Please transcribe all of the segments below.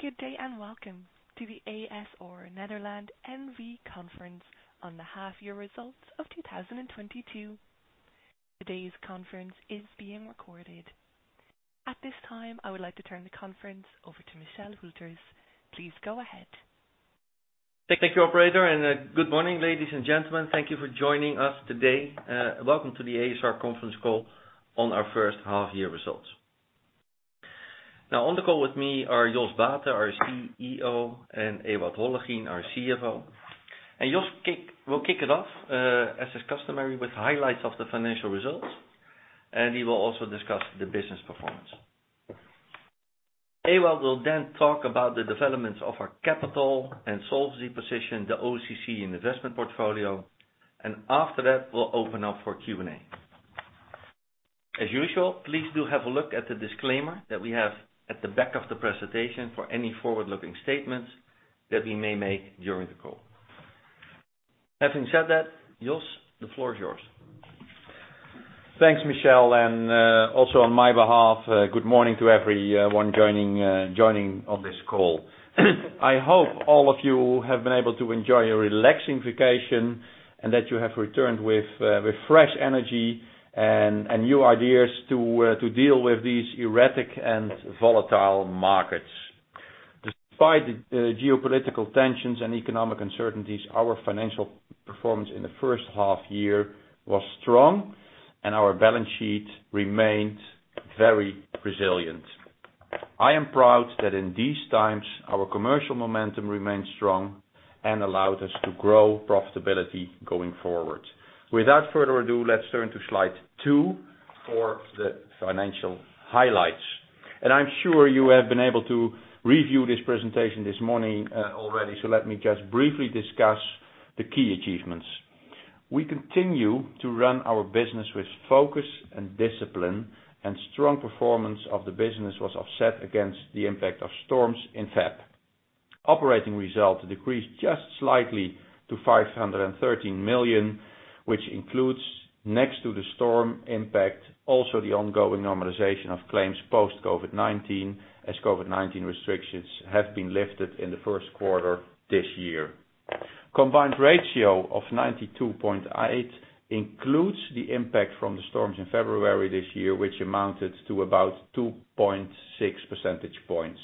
Good day, and welcome to the ASR Nederland N.V. Conference on the half year results of 2022. Today's conference is being recorded. At this time, I would like to turn the conference over to Michel Hülters. Please go ahead. Thank you, operator, and good morning, ladies and gentlemen. Thank you for joining us today. Welcome to the a.s.r. conference call on our first half year results. Now, on the call with me are Jos Baeten, our CEO, and Ewout Hollegien, our CFO. Jos will kick it off, as is customary, with highlights of the financial results, and he will also discuss the business performance. Ewout will then talk about the developments of our capital and solvency position, the OCC investment portfolio. After that, we'll open up for Q&A. As usual, please do have a look at the disclaimer that we have at the back of the presentation for any forward-looking statements that we may make during the call. Having said that, Jos, the floor is yours. Thanks, Michel, and also on my behalf, good morning to everyone joining on this call. I hope all of you have been able to enjoy a relaxing vacation, and that you have returned with fresh energy and new ideas to deal with these erratic and volatile markets. Despite the geopolitical tensions and economic uncertainties, our financial performance in the first half year was strong, and our balance sheet remained very resilient. I am proud that in these times, our commercial momentum remains strong and allows us to grow profitability going forward. Without further ado, let's turn to slide two for the financial highlights. I'm sure you have been able to review this presentation this morning, already, so let me just briefly discuss the key achievements. We continue to run our business with focus and discipline, and strong performance of the business was offset against the impact of storms in February. Operating result decreased just slightly to 513 million, which includes, next to the storm impact, also the ongoing normalization of claims post-COVID-19 as COVID-19 restrictions have been lifted in the first quarter this year. Combined ratio of 92.8 includes the impact from the storms in February this year, which amounted to about 2.6 percentage points.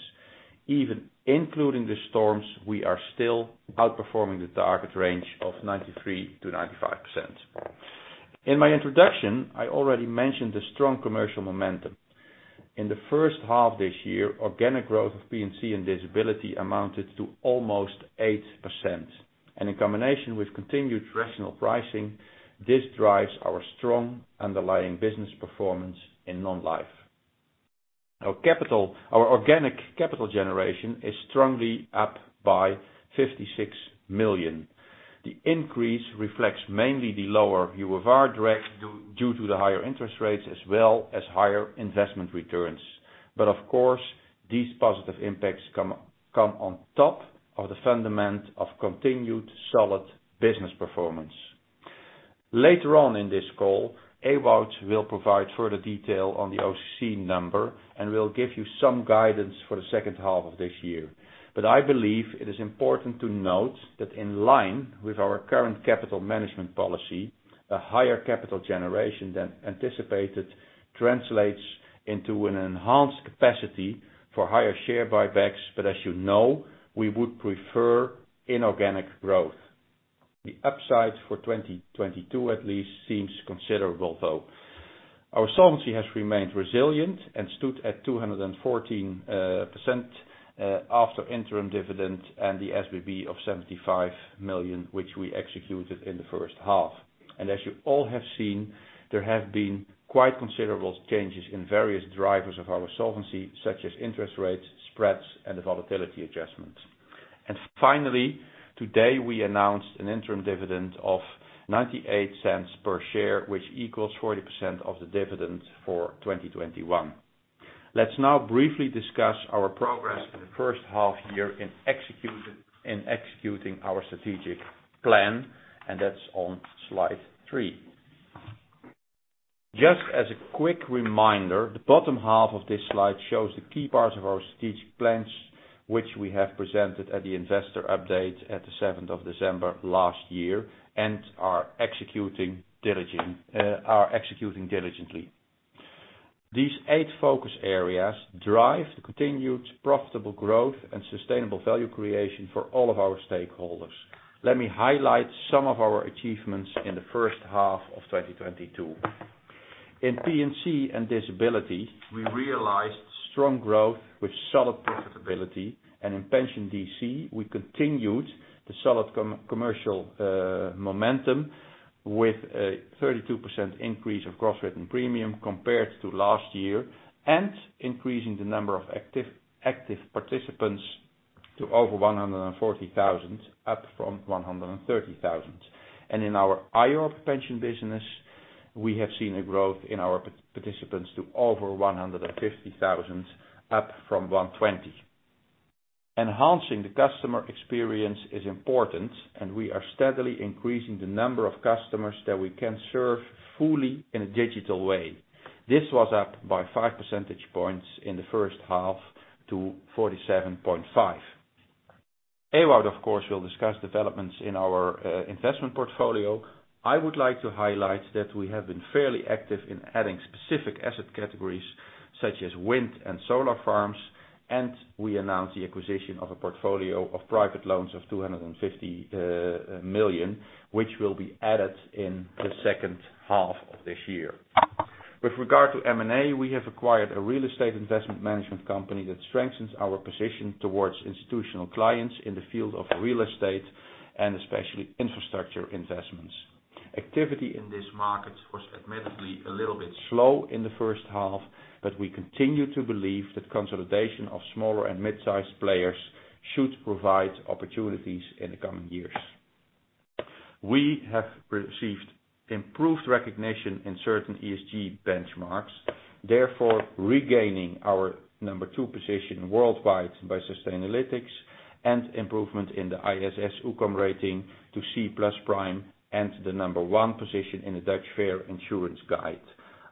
Even including the storms, we are still outperforming the target range of 93%-95%. In my introduction, I already mentioned the strong commercial momentum. In the first half this year, organic growth of P&C and disability amounted to almost 8%, and in combination with continued rational pricing, this drives our strong underlying business performance in non-life. Our organic capital generation is strongly up by 56 million. The increase reflects mainly the lower UFR drag due to the higher interest rates as well as higher investment returns. Of course, these positive impacts come on top of the fundamentals of continued solid business performance. Later on in this call, Ewout will provide further detail on the OCC number and will give you some guidance for the second half of this year. I believe it is important to note that in line with our current capital management policy, a higher capital generation than anticipated translates into an enhanced capacity for higher share buybacks. As you know, we would prefer inorganic growth. The upside for 2022 at least seems considerable, though. Our solvency has remained resilient and stood at 214%, after interim dividend and the SBB of 75 million, which we executed in the first half. As you all have seen, there have been quite considerable changes in various drivers of our solvency, such as interest rates, spreads, and the volatility adjustments. Finally, today, we announced an interim dividend of 0.98 per share, which equals 40% of the dividend for 2021. Let's now briefly discuss our progress in the first half year in executing our strategic plan, and that's on slide 3. Just as a quick reminder, the bottom half of this slide shows the key parts of our strategic plans, which we have presented at the investor update at the seventh of December last year and are executing diligently. These eight focus areas drive the continued profitable growth and sustainable value creation for all of our stakeholders. Let me highlight some of our achievements in the first half of 2022. In P&C and disability, we realized strong growth with solid profitability. In pension DC, we continued the solid commercial momentum with a 32% increase of gross written premium compared to last year and increasing the number of active participants to over 140,000, up from 130,000. In our IORP pension business, we have seen a growth in our participants to over 150,000, up from 120,000. Enhancing the customer experience is important, and we are steadily increasing the number of customers that we can serve fully in a digital way. This was up by 5 percentage points in the first half to 47.5. Ewout, of course, will discuss developments in our investment portfolio. I would like to highlight that we have been fairly active in adding specific asset categories such as wind and solar farms, and we announced the acquisition of a portfolio of private loans of 250 million, which will be added in the second half of this year. With regard to M&A, we have acquired a real estate investment management company that strengthens our position towards institutional clients in the field of real estate and especially infrastructure investments. Activity in this market was admittedly a little bit slow in the first half, but we continue to believe that consolidation of smaller and mid-sized players should provide opportunities in the coming years. We have received improved recognition in certain ESG benchmarks, therefore regaining our number 2 position worldwide by Sustainalytics and improvement in the ISS-oekom rating to C plus prime and the number 1 position in the Dutch Fair Insurance Guide.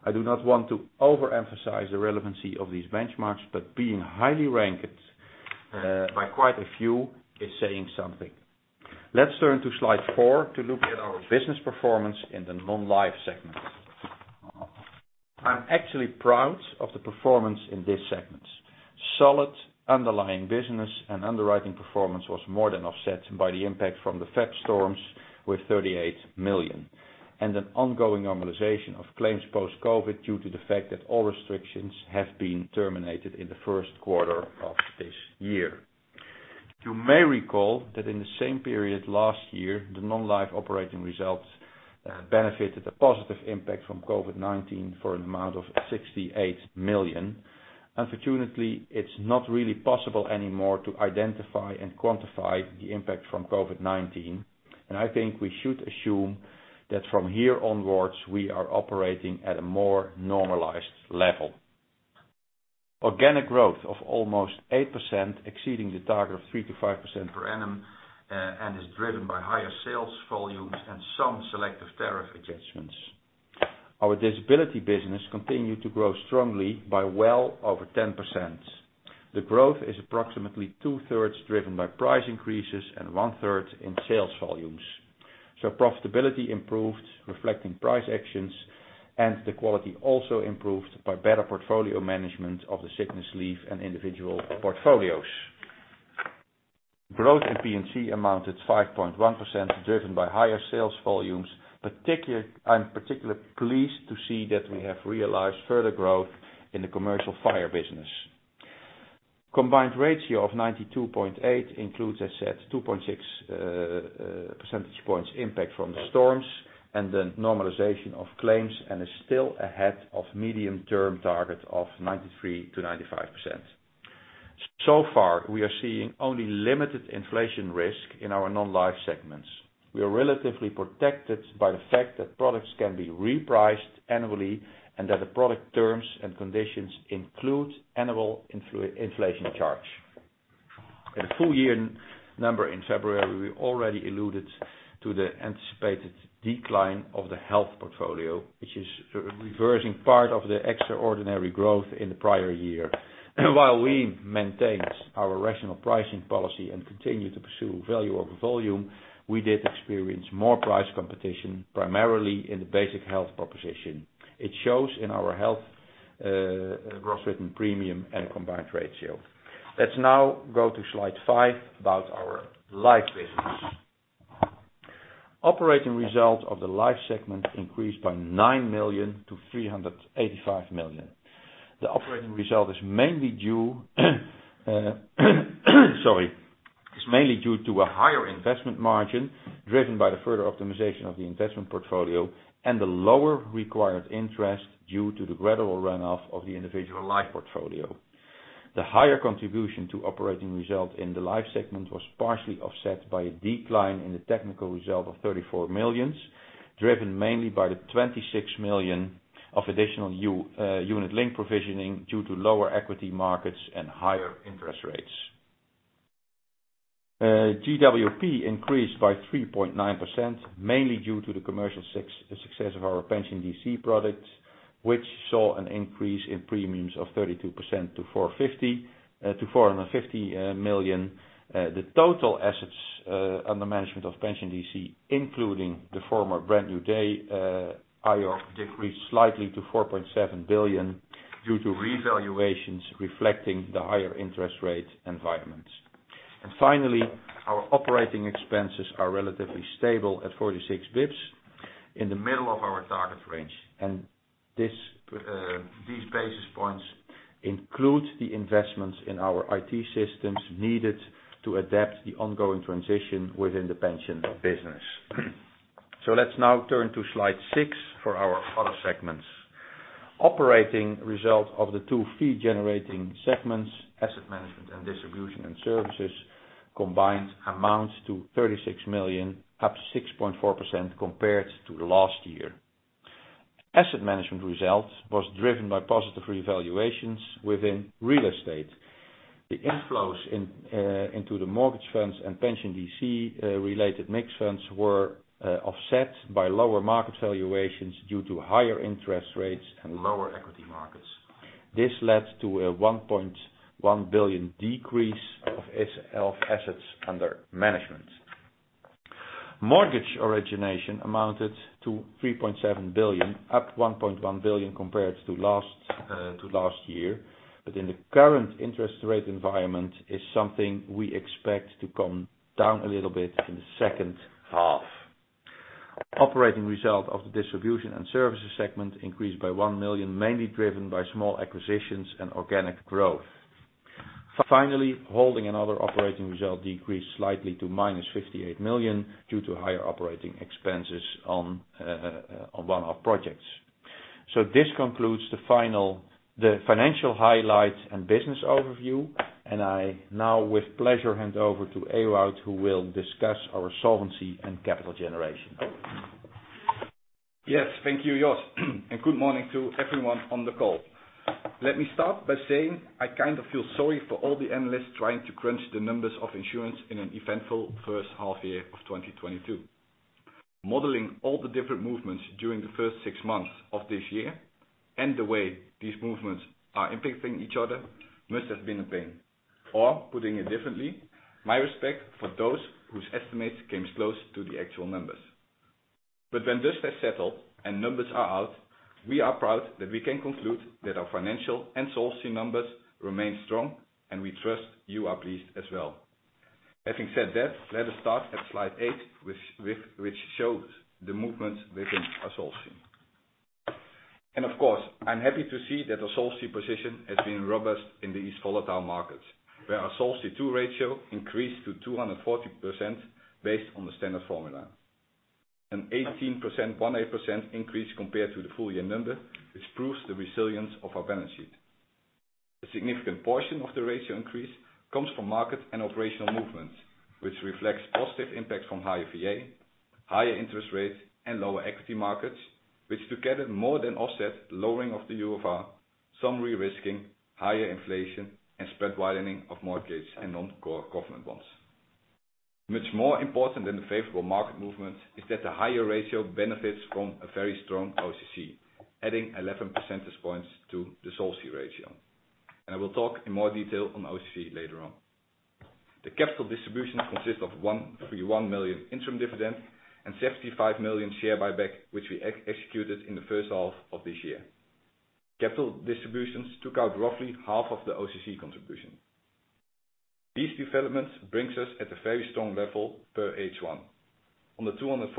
I do not want to overemphasize the relevancy of these benchmarks, but being highly ranked by quite a few is saying something. Let's turn to slide 4 to look at our business performance in the non-life segment. I'm actually proud of the performance in this segment. Solid underlying business and underwriting performance was more than offset by the impact from the February storms with 38 million, and an ongoing normalization of claims post-COVID due to the fact that all restrictions have been terminated in the first quarter of this year. You may recall that in the same period last year, the non-life operating results benefited a positive impact from COVID-19 for an amount of 68 million. Unfortunately, it's not really possible anymore to identify and quantify the impact from COVID-19, and I think we should assume that from here onwards, we are operating at a more normalized level. Organic growth of almost 8% exceeding the target of 3%-5% per annum, and is driven by higher sales volumes and some selective tariff adjustments. Our disability business continued to grow strongly by well over 10%. The growth is approximately two-thirds driven by price increases and one-third in sales volumes. Profitability improved, reflecting price actions, and the quality also improved by better portfolio management of the sickness leave and individual portfolios. Growth in P&C amounted 5.1%, driven by higher sales volumes. I'm particularly pleased to see that we have realized further growth in the commercial fire business. Combined ratio of 92.8 includes, as said, 2.6 percentage points impact from the storms and the normalization of claims and is still ahead of medium-term target of 93%-95%. So far, we are seeing only limited inflation risk in our non-life segments. We are relatively protected by the fact that products can be repriced annually and that the product terms and conditions include annual inflation charge. In the full year, and in February, we already alluded to the anticipated decline of the health portfolio, which is reversing part of the extraordinary growth in the prior year. While we maintain our rational pricing policy and continue to pursue value over volume, we did experience more price competition, primarily in the basic health proposition. It shows in our health gross written premium and combined ratio. Let's now go to slide 5 about our life business. Operating results of the life segment increased by 9 million to 385 million. The operating result is mainly due to a higher investment margin driven by the further optimization of the investment portfolio and the lower required interest due to the gradual run-off of the individual life portfolio. The higher contribution to operating results in the life segment was partially offset by a decline in the technical result of 34 million, driven mainly by the 26 million of additional unit link provisioning due to lower equity markets and higher interest rates. GWP increased by 3.9%, mainly due to the commercial success of our Pension DC product, which saw an increase in premiums of 32% to 450 million. The total assets under management of Pension DC, including the former Brand New Day IORP, decreased slightly to 4.7 billion due to revaluations reflecting the higher interest rate environments. Finally, our operating expenses are relatively stable at 46 basis points in the middle of our target range. These basis points include the investments in our IT systems needed to adapt the ongoing transition within the pension business. Let's now turn to slide six for our other segments. Operating results of the two fee-generating segments, asset management and distribution and services, combined amounts to 36 million, up 6.4% compared to last year. Asset management results was driven by positive revaluations within real estate. The inflows into the mortgage funds and pension DC related mixed funds were offset by lower market valuations due to higher interest rates and lower equity markets. This led to a 1.1 billion decrease of assets under management. Mortgage origination amounted to 3.7 billion, up 1.1 billion compared to last year. In the current interest rate environment, is something we expect to come down a little bit in the second half. Operating result of the distribution and services segment increased by 1 million, mainly driven by small acquisitions and organic growth. Finally, holding and other operating result decreased slightly to -58 million due to higher operating expenses on one-off projects. This concludes the financial highlights and business overview. I now with pleasure hand over to Ewout, who will discuss our solvency and capital generation. Yes, thank you, Jos. Good morning to everyone on the call. Let me start by saying I kind of feel sorry for all the analysts trying to crunch the numbers on insurance in an eventful first half year of 2022. Modeling all the different movements during the first six months of this year, and the way these movements are impacting each other must have been a pain. Putting it differently, my respect for those whose estimates came close to the actual numbers. When dust has settled and numbers are out, we are proud that we can conclude that our financial and solvency numbers remain strong, and we trust you are pleased as well. Having said that, let us start at slide 8, which shows the movements within our solvency. Of course, I'm happy to see that our solvency position has been robust in these volatile markets, where our Solvency II ratio increased to 240% based on the Standard Formula. An 18% increase compared to the full year number, which proves the resilience of our balance sheet. A significant portion of the ratio increase comes from market and operational movements, which reflects positive impact from higher VA, higher interest rates, and lower equity markets, which together more than offset the lowering of the UFR, some risk weighting, higher inflation, and spread widening of mortgages and non-core government bonds. Much more important than the favorable market movement is that the higher ratio benefits from a very strong OCC, adding 11 percentage points to the solvency ratio. I will talk in more detail on OCC later on. The capital distribution consists of 131 million interim dividend and 75 million share buyback, which we executed in the first half of this year. Capital distributions took out roughly half of the OCC contribution. These developments brings us at a very strong level per H1. On the 240%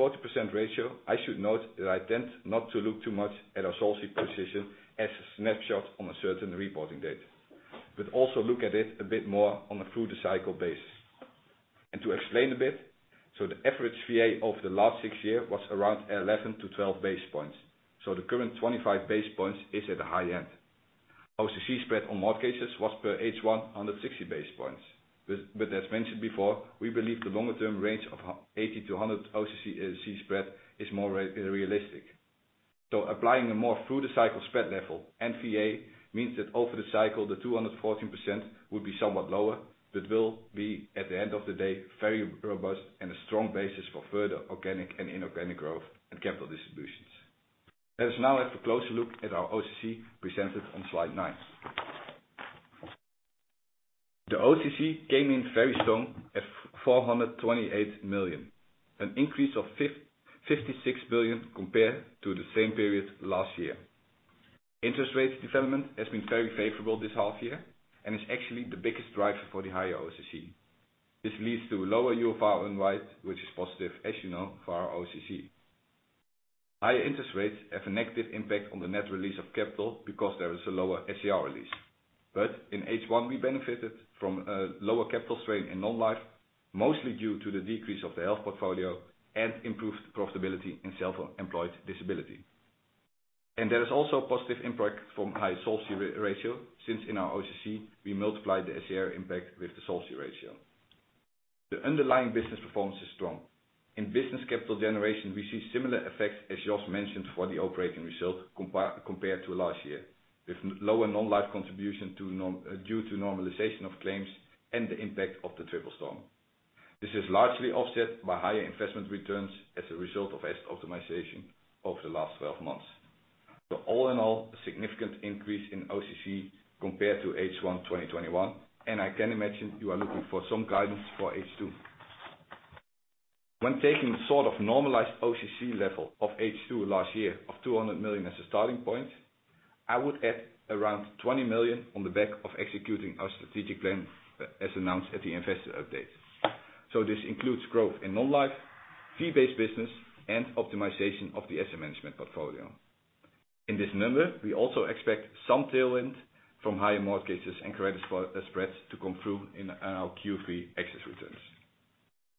ratio, I should note that I tend not to look too much at our solvency position as a snapshot on a certain reporting date, but also look at it a bit more on a through-the-cycle basis. To explain a bit, so the average VA of the last six years was around 11-12 basis points. The current 25 basis points is at the high end. OCC spread on mortgages was per H1 160 basis points. As mentioned before, we believe the longer term range of 80-100 OCC spread is more realistic. Applying a more through the cycle spread level and VA means that over the cycle, the 214% would be somewhat lower, but will be, at the end of the day, very robust and a strong basis for further organic and inorganic growth and capital distributions. Let us now have a closer look at our OCC presented on slide 9. The OCC came in very strong at 428 million, an increase of 56 million compared to the same period last year. Interest rates development has been very favorable this half year and is actually the biggest driver for the higher OCC. This leads to lower UFR unwind, which is positive, as you know, for our OCC. Higher interest rates have a negative impact on the net release of capital because there is a lower SCR release. In H1, we benefited from lower capital strain in non-life, mostly due to the decrease of the health portfolio and improved profitability in self-employed disability. There is also a positive impact from high solvency ratio, since in our OCC, we multiply the SCR impact with the solvency ratio. The underlying business performance is strong. In business capital generation, we see similar effects as Jos mentioned for the operating result compared to last year, with lower non-life contribution due to normalization of claims and the impact of the triple storm. This is largely offset by higher investment returns as a result of asset optimization over the last 12 months. All in all, a significant increase in OCC compared to H1 2021, and I can imagine you are looking for some guidance for H2. When taking sort of normalized OCC level of H2 last year of 200 million as a starting point, I would add around 20 million on the back of executing our strategic plan as announced at the investor update. This includes growth in non-life, fee-based business, and optimization of the asset management portfolio. In this number, we also expect some tailwind from higher mortgages and credit spreads to come through in our Q3 excess returns.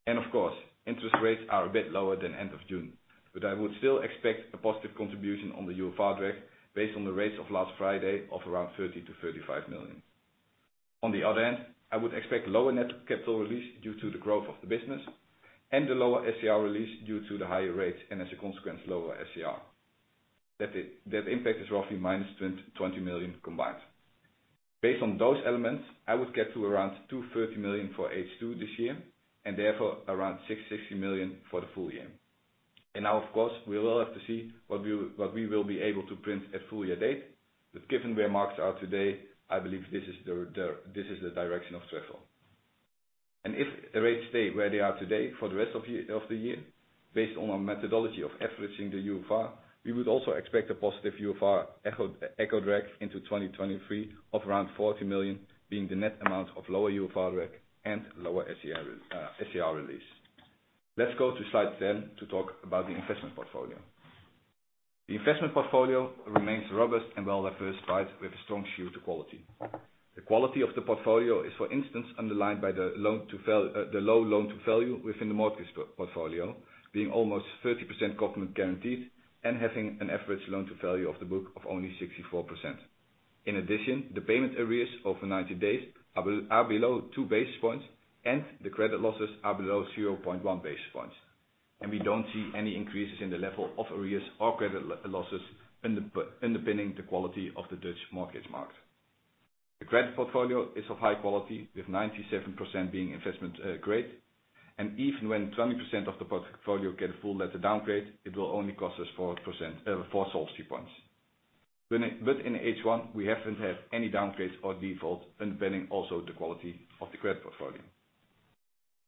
Of course, interest rates are a bit lower than end of June, but I would still expect a positive contribution on the UFR drag based on the rates of last Friday of around 30-35 million. On the other hand, I would expect lower net capital release due to the growth of the business and the lower SCR release due to the higher rates and as a consequence, lower SCR. That impact is roughly minus 20 million combined. Based on those elements, I would get to around 230 million for H2 this year and therefore around 660 million for the full year. Now of course, we will have to see what we will be able to print at full year date. Given where markets are today, I believe this is the direction of travel. If the rates stay where they are today for the rest of the year, based on our methodology of averaging the UFR, we would also expect a positive UFR echo drag into 2023 of around 40 million being the net amount of lower UFR drag and lower SCR release. Let's go to slide 10 to talk about the investment portfolio. The investment portfolio remains robust and well diversified with a strong shift to quality. The quality of the portfolio is for instance underlined by the low loan-to-value within the mortgage portfolio being almost 30% government guaranteed and having an average loan-to-value of the book of only 64%. In addition, the payment arrears over 90 days are below two basis points, and the credit losses are below 0.1 basis points. We don't see any increases in the level of arrears or credit losses underpinning the quality of the Dutch mortgage market. The credit portfolio is of high quality with 97% being investment grade. Even when 20% of the portfolio get a full letter downgrade, it will only cost us 4%, 4 solvency points. In H1, we haven't had any downgrades or defaults underpinning also the quality of the credit portfolio.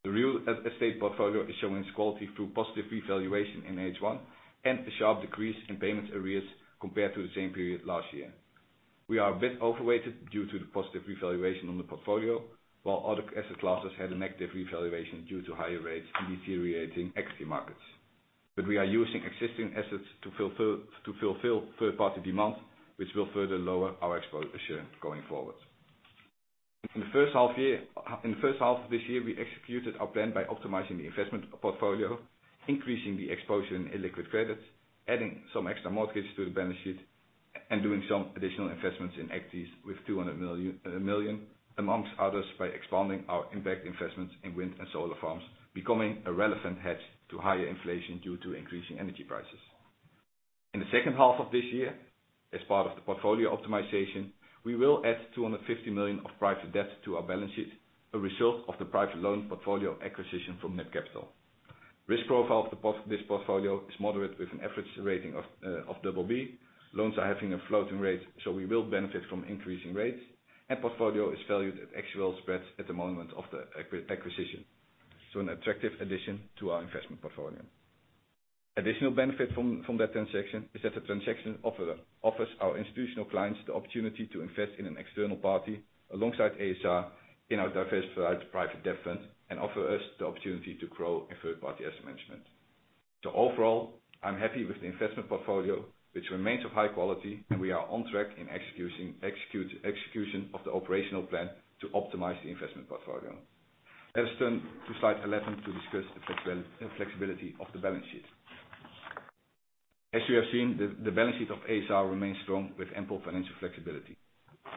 The real estate portfolio is showing its quality through positive revaluation in H1 and a sharp decrease in payment arrears compared to the same period last year. We are a bit overweight due to the positive revaluation on the portfolio, while other asset classes had a negative revaluation due to higher rates and deteriorating equity markets. We are using existing assets to fulfill third-party demand, which will further lower our exposure going forward. In the first half of this year, we executed our plan by optimizing the investment portfolio, increasing the exposure in illiquid credits, adding some extra mortgages to the balance sheet, and doing some additional investments in equities with 200 million, among others by expanding our impact investments in wind and solar farms, becoming a relevant hedge to higher inflation due to increasing energy prices. In the second half of this year, as part of the portfolio optimization, we will add 250 million of private debt to our balance sheet, a result of the private loan portfolio acquisition from NIBC. Risk profile of this portfolio is moderate with an average rating of double B. Loans are having a floating rate, so we will benefit from increasing rates, and portfolio is valued at actual spreads at the moment of the acquisition. An attractive addition to our investment portfolio. Additional benefit from that transaction is that the transaction offers our institutional clients the opportunity to invest in an external party alongside ASR in our diversified private debt fund and offers us the opportunity to grow in third-party asset management. Overall, I'm happy with the investment portfolio, which remains of high quality, and we are on track in execution of the operational plan to optimize the investment portfolio. Let us turn to slide eleven to discuss the flexibility of the balance sheet. As you have seen, the balance sheet of ASR remains strong with ample financial flexibility.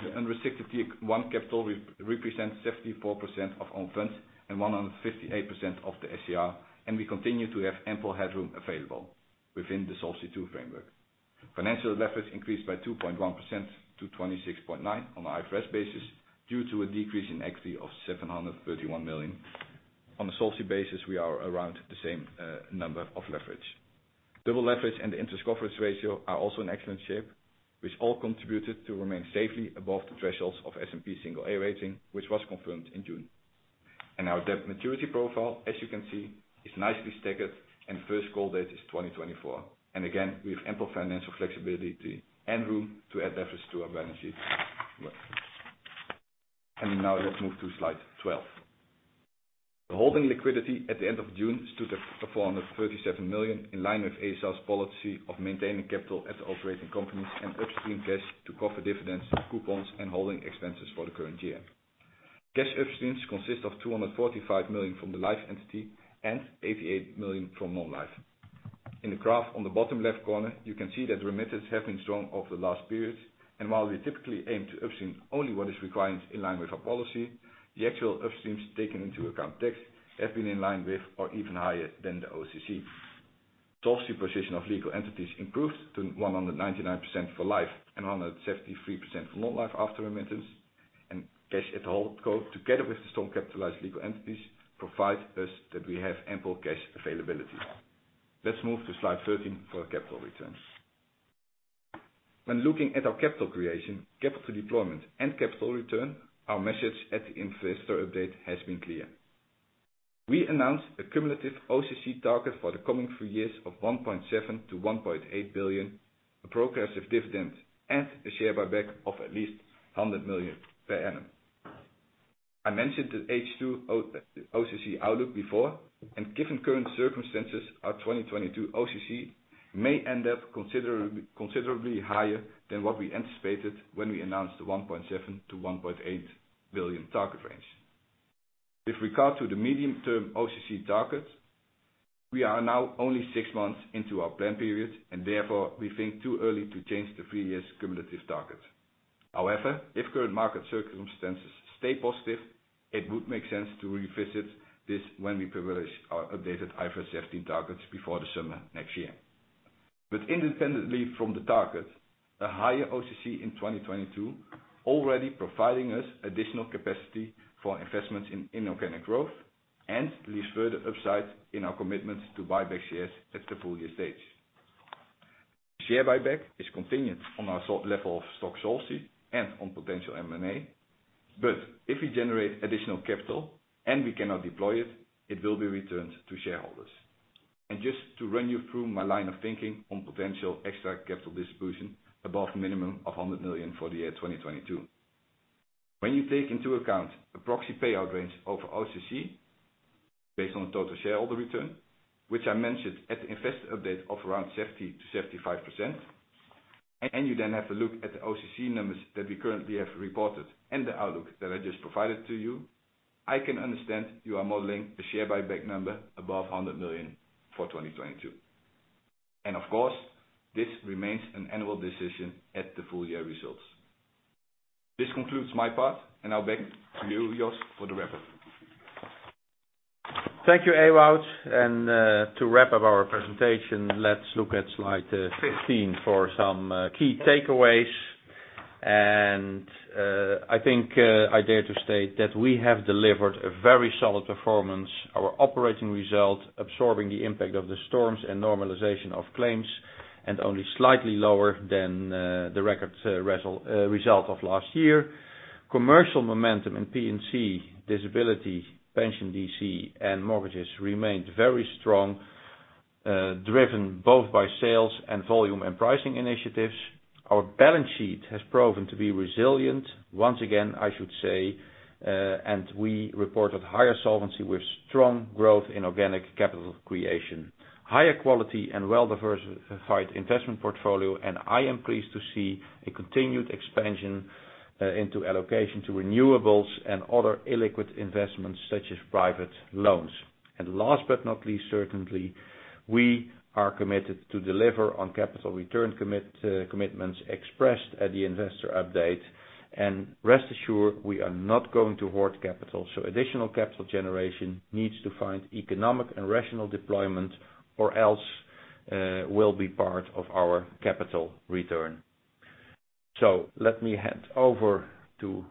The unrestricted one capital represents 74% of own funds and 158% of the SCR, and we continue to have ample headroom available within the Solvency II framework. Financial leverage increased by 2.1% to 26.9 on an IFRS basis due to a decrease in equity of 731 million. On a Solvency basis, we are around the same number of leverage. Double leverage and the interest coverage ratio are also in excellent shape, which all contributed to remain safely above the thresholds of S&P single A rating, which was confirmed in June. Our debt maturity profile, as you can see, is nicely staggered and first call date is 2024. Again, we have ample financial flexibility and room to add leverage to our balance sheet. Now let's move to slide 12. The holding liquidity at the end of June stood at 437 million, in line with ASR's policy of maintaining capital at the operating companies and upstream cash to cover dividends, coupons, and holding expenses for the current year. Cash upstreams consist of 245 million from the life entity and 88 million from non-life. In the graph on the bottom left corner, you can see that remittances have been strong over the last periods. While we typically aim to upstream only what is required in line with our policy, the actual upstreams taken into account tax have been in line with or even higher than the OCC. Solvency position of legal entities improved to 199% for life and 173% for non-life after remittance. Cash at the holdco, together with the strong capitalized legal entities, provide us that we have ample cash availability. Let's move to slide 13 for our capital returns. When looking at our capital creation, capital deployment, and capital return, our message at the investor update has been clear. We announced a cumulative OCC target for the coming three years of 1.7 billion-1.8 billion, a progressive dividend, and a share buyback of at least 100 million per annum. I mentioned the H2 OCC outlook before, and given current circumstances, our 2022 OCC may end up considerably higher than what we anticipated when we announced the 1.7 billion-1.8 billion target range. With regard to the medium-term OCC target, we are now only six months into our plan period, and therefore we think too early to change the 3-year cumulative target. However, if current market circumstances stay positive, it would make sense to revisit this when we publish our updated IFRS targets before the summer next year. Independently from the target, a higher OCC in 2022 already providing us additional capacity for investments in inorganic growth and leaves further upside in our commitment to buy back shares at the full-year stage. Share buyback is contingent on our level of capital sources and on potential M&A. If we generate additional capital and we cannot deploy it will be returned to shareholders. Just to run you through my line of thinking on potential extra capital distribution above the minimum of 100 million for the year 2022. When you take into account a proxy payout range over OCC based on total shareholder return, which I mentioned at the investor update of around 70%-75%, and you then have a look at the OCC numbers that we currently have reported and the outlook that I just provided to you, I can understand you are modeling a share buyback number above 100 million for 2022. Of course, this remains an annual decision at the full year results. This concludes my part, and I'll hand back to you, Jos, for the wrap-up. Thank you, Ewout. To wrap up our presentation, let's look at slide 15 for some key takeaways. I think I dare to state that we have delivered a very solid performance. Our operating result absorbing the impact of the storms and normalization of claims, and only slightly lower than the record result of last year. Commercial momentum in P&C, disability, pension DC, and mortgages remained very strong, driven both by sales and volume and pricing initiatives. Our balance sheet has proven to be resilient, once again, I should say, and we reported higher solvency with strong growth in organic capital creation. Higher quality and well-diversified investment portfolio, and I am pleased to see a continued expansion into allocation to renewables and other illiquid investments such as private loans. Last but not least, certainly, we are committed to deliver on capital return commitments expressed at the investor update. Rest assured, we are not going to hoard capital. Additional capital generation needs to find economic and rational deployment or else will be part of our capital return. Let me hand over to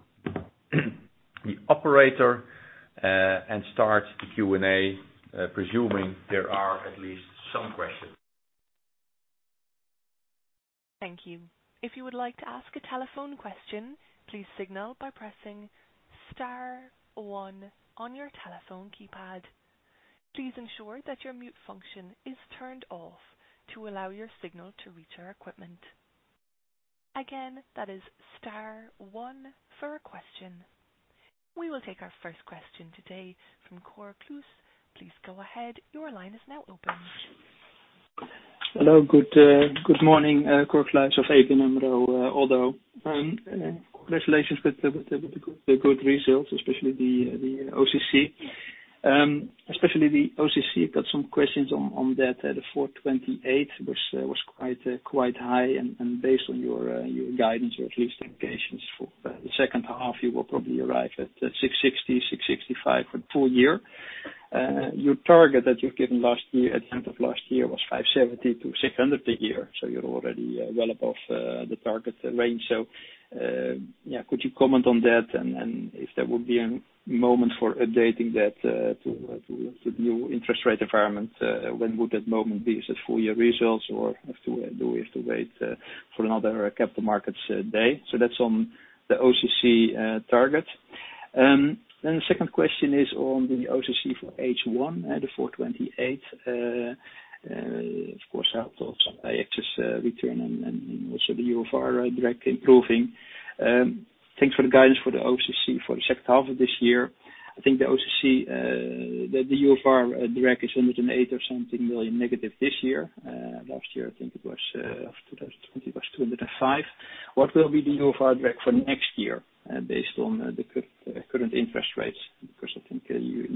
the operator and start the Q&A, presuming there are at least some questions. Thank you. If you would like to ask a telephone question, please signal by pressing star one on your telephone keypad. Please ensure that your mute function is turned off to allow your signal to reach our equipment. Again, that is star one for a question. We will take our first question today from Cor Kluis. Please go ahead. Your line is now open. Hello. Good morning. Cor Kluis of ABN AMRO. Congratulations with the good results, especially the OCC. Got some questions on that. The 428 was quite high and based on your guidance or at least indications for the second half, you will probably arrive at 660-665 for full year. Your target that you've given last year, at the end of last year was 570-600 a year. You're already well above the target range. Yeah, could you comment on that? If there would be a moment for updating that to the new interest rate environment, when would that moment be? Is it full year results or do we have to wait for another capital markets day? That's on the OCC target. Then the second question is on the OCC for H1 at the 428. Of course, helped by some excess return and also the UFR directly improving. Thanks for the guidance for the OCC for the second half of this year. I think the OCC, the UFR direct is -108 million or something this year. Last year, I think it was in 2020 was -205 million. What will be the UFR direct for next year, based on the current interest rates? Of course, I think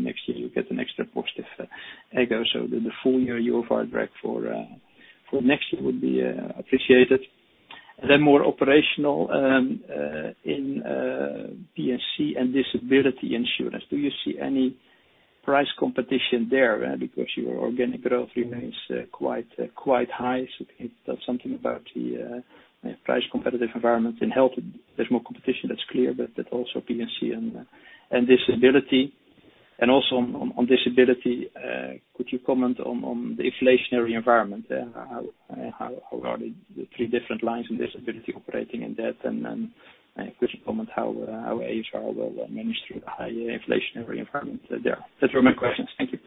next year you'll get an extra positive effect. The full year UFR direct for next year would be appreciated. More operational in P&C and disability insurance. Do you see any price competition there? Because your organic growth remains quite high. It tells something about the price competitive environment. In health, there's more competition, that's clear, but also P&C and disability. Also on disability, could you comment on the inflationary environment? How are the three different lines in disability operating in that? Then could you comment how ASR will manage through the high inflationary environment there? Those were my questions. Thank you.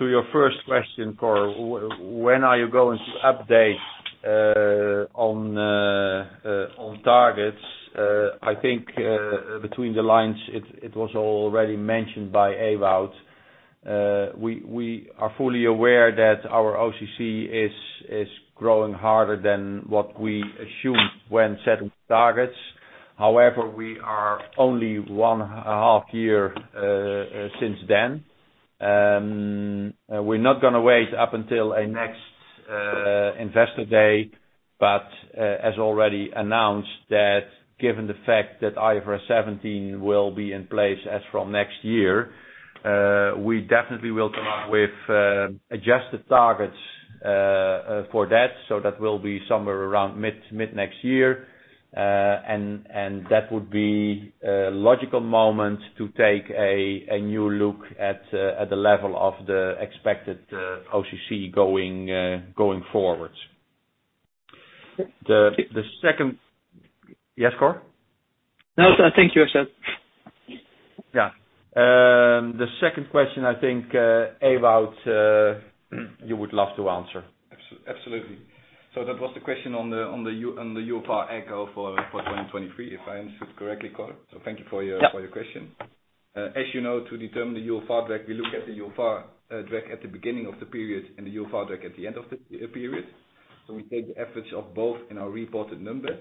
To your first question, Cor. When are you going to update on our targets, I think, between the lines, it was already mentioned by Ewout. We are fully aware that our OCC is growing faster than what we assumed when setting targets. However, we are only 1.5 years since then. We're not gonna wait until a next investor day, but as already announced that given the fact that IFRS 17 will be in place as from next year, we definitely will come up with adjusted targets for that. So that will be somewhere around mid-next year. And that would be a logical moment to take a new look at the level of the expected OCC going forward. The second. Yes, Cor? No, thank you, Ewout. Yeah. The second question, I think, Ewout, you would love to answer. Absolutely. That was the question on the UFR for 2023, if I understood correctly, Cor. Thank you for your- Yeah. For your question. As you know, to determine the UFR drag, we look at the UFR drag at the beginning of the period and the UFR drag at the end of the period. We take the average of both in our reported number.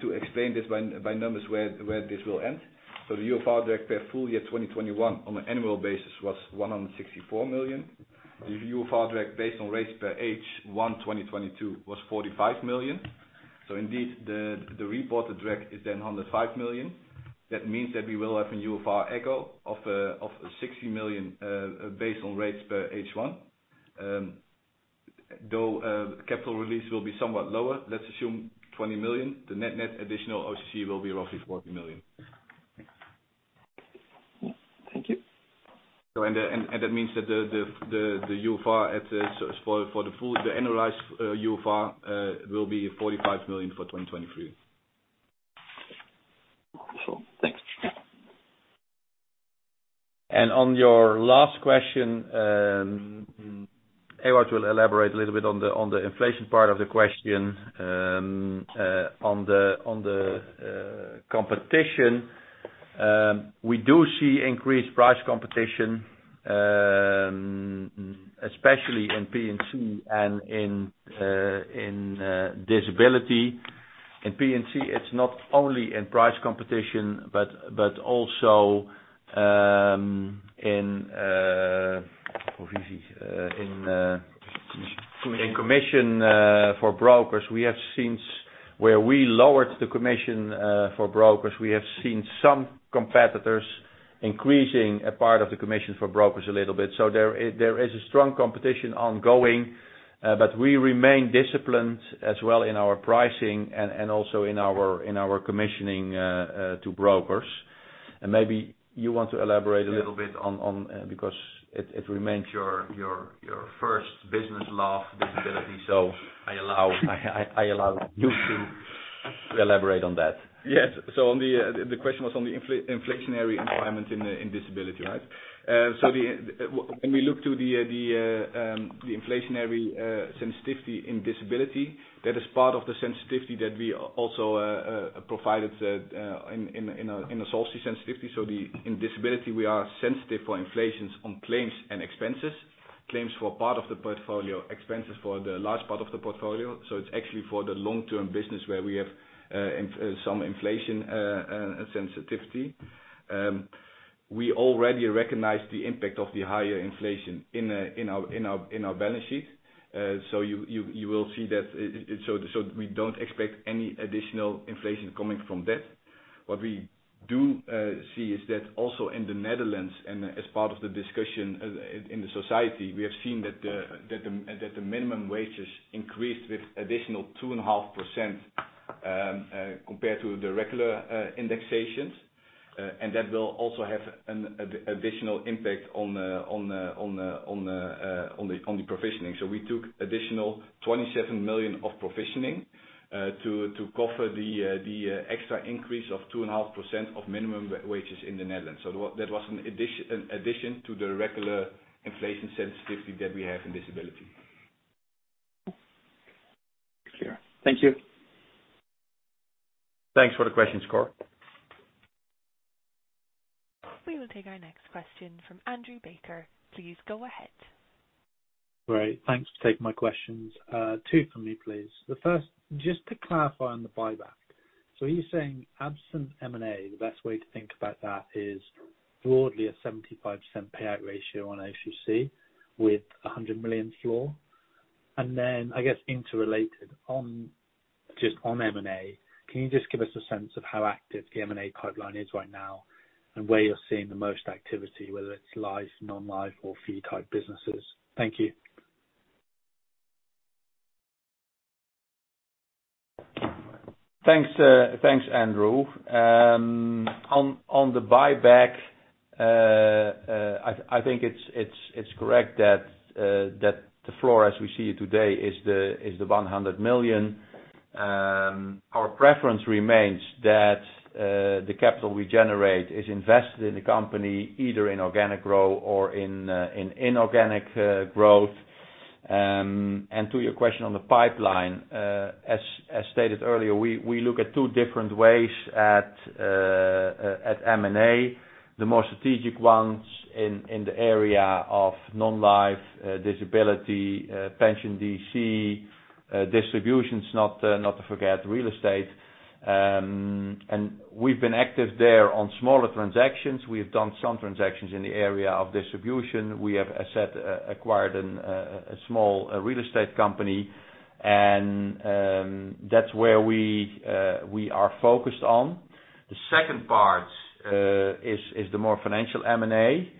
To explain this by numbers where this will end. The UFR drag per full year 2021 on an annual basis was 164 million. The UFR drag based on rates per H1 2022 was 45 million. Indeed, the reported drag is then 105 million. That means that we will have an UFR echo of 60 million based on rates per H1. Though, capital release will be somewhat lower. Let's assume 20 million. The net-net additional OCC will be roughly 40 million. Thank you. That means that the UFR for the full annualized UFR will be 45 million for 2023. Sure. Thanks. On your last question, Ewout will elaborate a little bit on the inflation part of the question. On the competition, we do see increased price competition, especially in P&C and in disability. In P&C, it's not only in price competition but also in commission for brokers. We have seen where we lowered the commission for brokers, we have seen some competitors increasing a part of the commission for brokers a little bit. There is a strong competition ongoing, but we remain disciplined as well in our pricing and also in our commissioning to brokers. Maybe you want to elaborate a little bit on because it remains your first business love, disability. I allow you to elaborate on that. Yes. The question was on the inflationary environment in disability, right? When we look to the inflationary sensitivity in disability, that is part of the sensitivity that we also provided in a solvency sensitivity. In disability, we are sensitive for inflation on claims and expenses. Claims for part of the portfolio. Expenses for the large part of the portfolio. It's actually for the long-term business where we have some inflation sensitivity. We already recognized the impact of the higher inflation in our balance sheet. You will see that. We don't expect any additional inflation coming from that. What we do see is that also in the Netherlands, and as part of the discussion in the society, we have seen that the minimum wages increased with additional 2.5%, compared to the regular indexations. That will also have an additional impact on the provisioning. We took additional 27 million of provisioning to cover the extra increase of 2.5% of minimum wages in the Netherlands. That was an addition to the regular inflation sensitivity that we have in disability. Clear. Thank you. Thanks for the questions, Cor. We will take our next question from Andrew Baker. Please go ahead. Great. Thanks for taking my questions. Two for me, please. The first, just to clarify on the buyback. So are you saying absent M&A, the best way to think about that is broadly a 75% payout ratio on OCC with a 100 million floor? Then I guess interrelated, just on M&A, can you just give us a sense of how active the M&A pipeline is right now and where you're seeing the most activity, whether it's life, non-life or fee type businesses? Thank you. Thanks, thanks, Andrew. On the buyback, I think it's correct that the floor as we see it today is the 100 million. Our preference remains that the capital we generate is invested in the company, either in organic growth or in inorganic growth. To your question on the pipeline, as stated earlier, we look at two different ways at M&A. The more strategic ones in the area of non-life, disability, pension DC, distributions, not to forget real estate. We've been active there on smaller transactions. We have done some transactions in the area of distribution. We have, as said, acquired a small real estate company and that's where we are focused on. The second part is the more financial M&A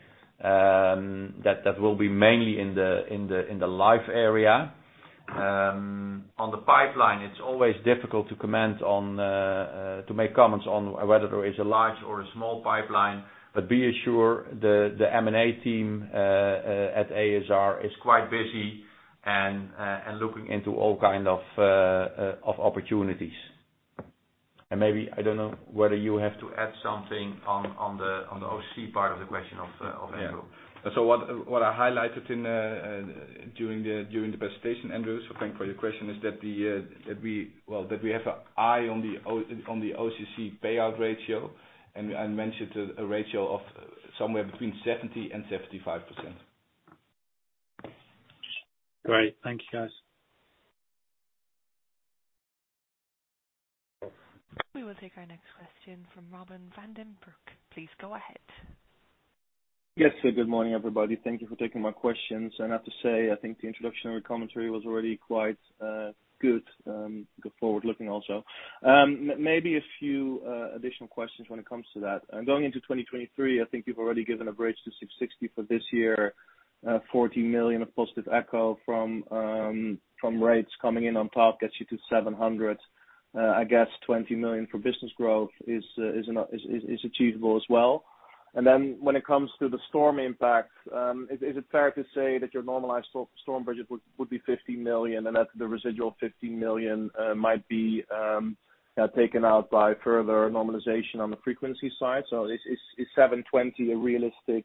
that will be mainly in the life area. On the pipeline, it's always difficult to comment on whether there is a large or a small pipeline. Be assured the M&A team at ASR is quite busy and looking into all kinds of opportunities. Maybe, I don't know whether you have to add something on the OCC part of the question of Andrew. What I highlighted during the presentation, Andrew, so thank you for your question, is that we have an eye on the OCC payout ratio. I mentioned a ratio of somewhere between 70% and 75%. Great. Thank you, guys. We will take our next question from Robin van den Broek. Please go ahead. Yes. Good morning, everybody. Thank you for taking my questions. I have to say, I think the introductory commentary was already quite good forward looking also. Maybe a few additional questions when it comes to that. Going into 2023, I think you've already given a bridge to 660 for this year. 14 million of positive echo from rates coming in on top gets you to 700. I guess 20 million for business growth is achievable as well. Then when it comes to the storm impact, is it fair to say that your normalized storm budget would be 50 million, and that the residual 50 million might be taken out by further normalization on the frequency side? Is 720 a realistic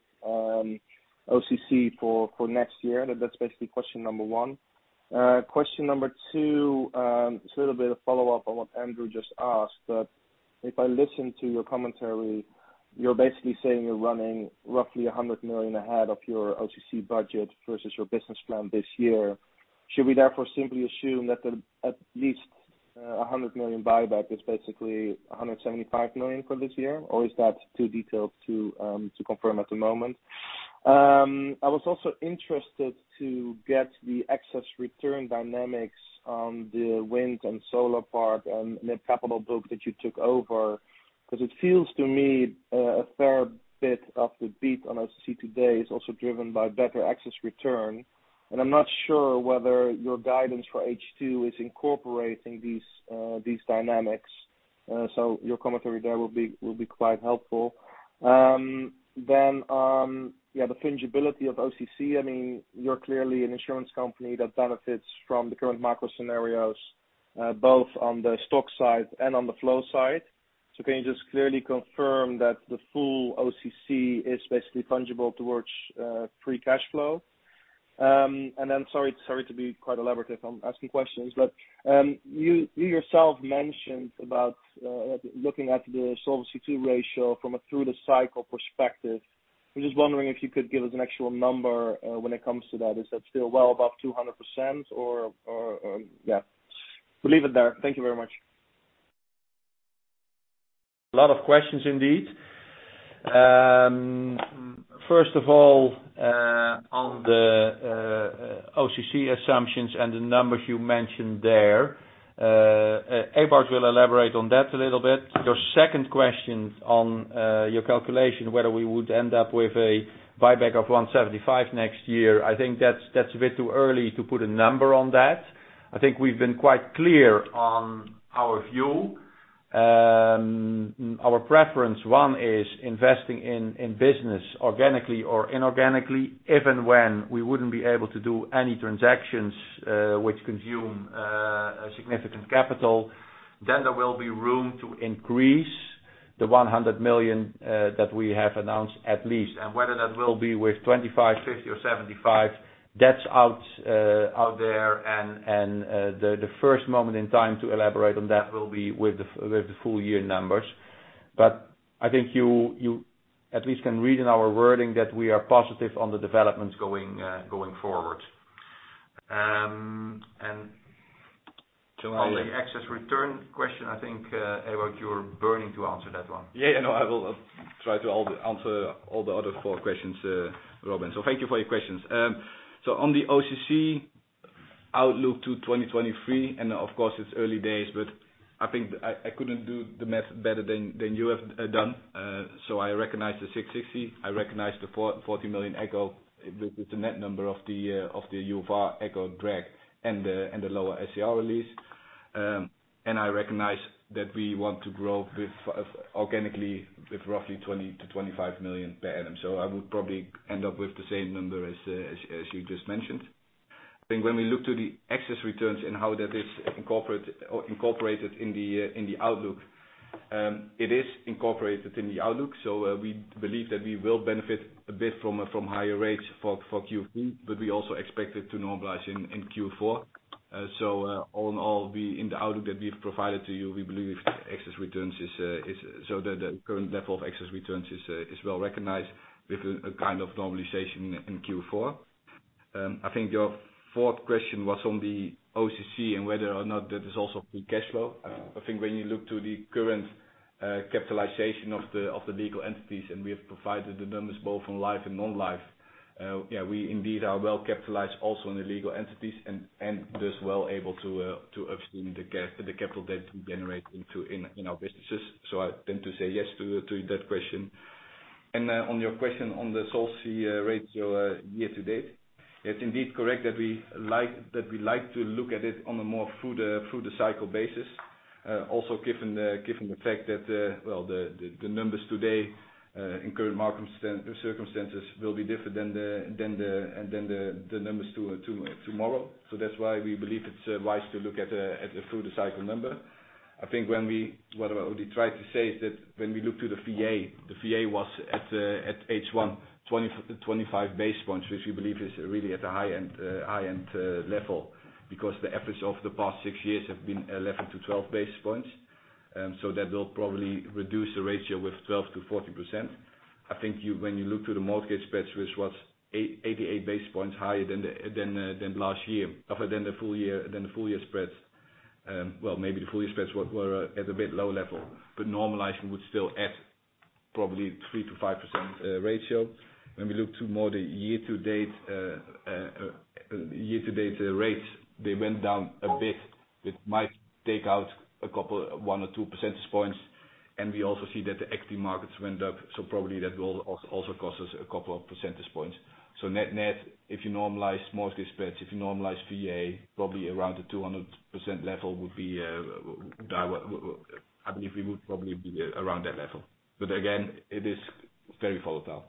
OCC for next year? That's basically question number one. Question number two is a little bit of follow-up on what Andrew just asked. If I listen to your commentary, you're basically saying you're running roughly 100 million ahead of your OCC budget versus your business plan this year. Should we therefore simply assume that at least 100 million buyback is basically 175 million for this year? Or is that too detailed to confirm at the moment? I was also interested to get the excess return dynamics on the wind and solar park and net capital book that you took over, 'cause it feels to me a fair bit of the beat on OCC today is also driven by better excess return. I'm not sure whether your guidance for H2 is incorporating these dynamics. So your commentary there will be quite helpful. Then, the fungibility of OCC. I mean, you're clearly an insurance company that benefits from the current macro scenarios, both on the stock side and on the flow side. So can you just clearly confirm that the full OCC is basically fungible towards free cash flow? And then sorry to be quite elaborative on asking questions, but you yourself mentioned about looking at the Solvency II ratio from a through-the-cycle perspective. I'm just wondering if you could give us an actual number, when it comes to that. Is that still well above 200% or yeah. We'll leave it there. Thank you very much. A lot of questions indeed. First of all, on the OCC assumptions and the numbers you mentioned there, Ewout Hollegien will elaborate on that a little bit. Your second question on your calculation, whether we would end up with a buyback of 175 million next year, I think that's a bit too early to put a number on that. I think we've been quite clear on our view. Our preference, one, is investing in business organically or inorganically, if and when we wouldn't be able to do any transactions which consume significant capital. Then there will be room to increase the 100 million that we have announced at least. Whether that will be with 25, 50, or 75, that's out there and the first moment in time to elaborate on that will be with the full year numbers. I think you at least can read in our wording that we are positive on the developments going forward. Shall I? On the excess return question, I think, Ewout, you're burning to answer that one. Yeah, I know. I will try to answer all the other four questions, Robin van den Broek. Thank you for your questions. On the OCC outlook to 2023, and of course, it's early days, but I think I couldn't do the math better than you have done. I recognize the 660. I recognize the 40 million with the net number of the UFR EUR drag and the lower SCR release. I recognize that we want to grow organically with roughly 20-25 million per annum. I would probably end up with the same number as you just mentioned. I think when we look to the excess returns and how that is incorporated in the outlook. It is incorporated in the outlook, so we believe that we will benefit a bit from higher rates for Q3, but we also expect it to normalize in Q4. All in all, in the outlook that we've provided to you, we believe the current level of excess returns is well-recognized with a kind of normalization in Q4. I think your fourth question was on the OCC and whether or not that is also free cash flow. I think when you look to the current capitalization of the legal entities, and we have provided the numbers both in life and non-life. Yeah, we indeed are well-capitalized also in the legal entities and thus well able to absorb the capital that we generate in our businesses. I tend to say yes to that question. On your question on the Solvency ratio year to date, it's indeed correct that we like to look at it on a more through the cycle basis. Also given the fact that the numbers today in current circumstances will be different than the numbers tomorrow. That's why we believe it's wise to look at the through the cycle number. I think what I already tried to say is that when we look to the VA, the VA was at 81.25 base points, which we believe is really at the high-end level, because the average of the past six years have been 11-12 base points. So that will probably reduce the ratio with 12%-14%. I think when you look to the mortgage spreads, which was 88 base points higher than last year, other than the full year spreads. Well, maybe the full year spreads were at a bit low level, but normalizing would still add probably 3%-5% ratio. When we look at the year to date, year to date rates, they went down a bit, which might take out a couple, 1 or 2 percentage points. We also see that the equity markets went up, so probably that will also cost us a couple of percentage points. Net, if you normalize mortgage spreads, if you normalize VA, probably around the 200% level would be. I believe we would probably be around that level. Again, it is very volatile.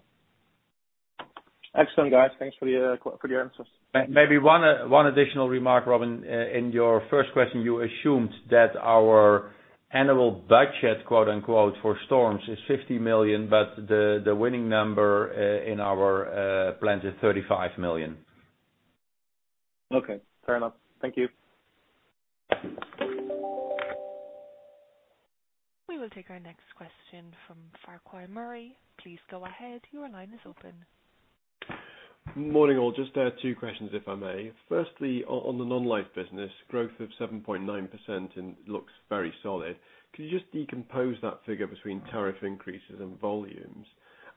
Excellent, guys. Thanks for your answers. Maybe one additional remark, Robin. In your first question, you assumed that our annual budget, quote-unquote, for storms is 50 million, but the winning number in our plans is 35 million. Okay, fair enough. Thank you. We will take our next question from Farquhar Murray. Please go ahead. Your line is open. Morning, all. Just two questions, if I may. Firstly, on the non-life business, growth of 7.9% and looks very solid. Could you just decompose that figure between tariff increases and volumes?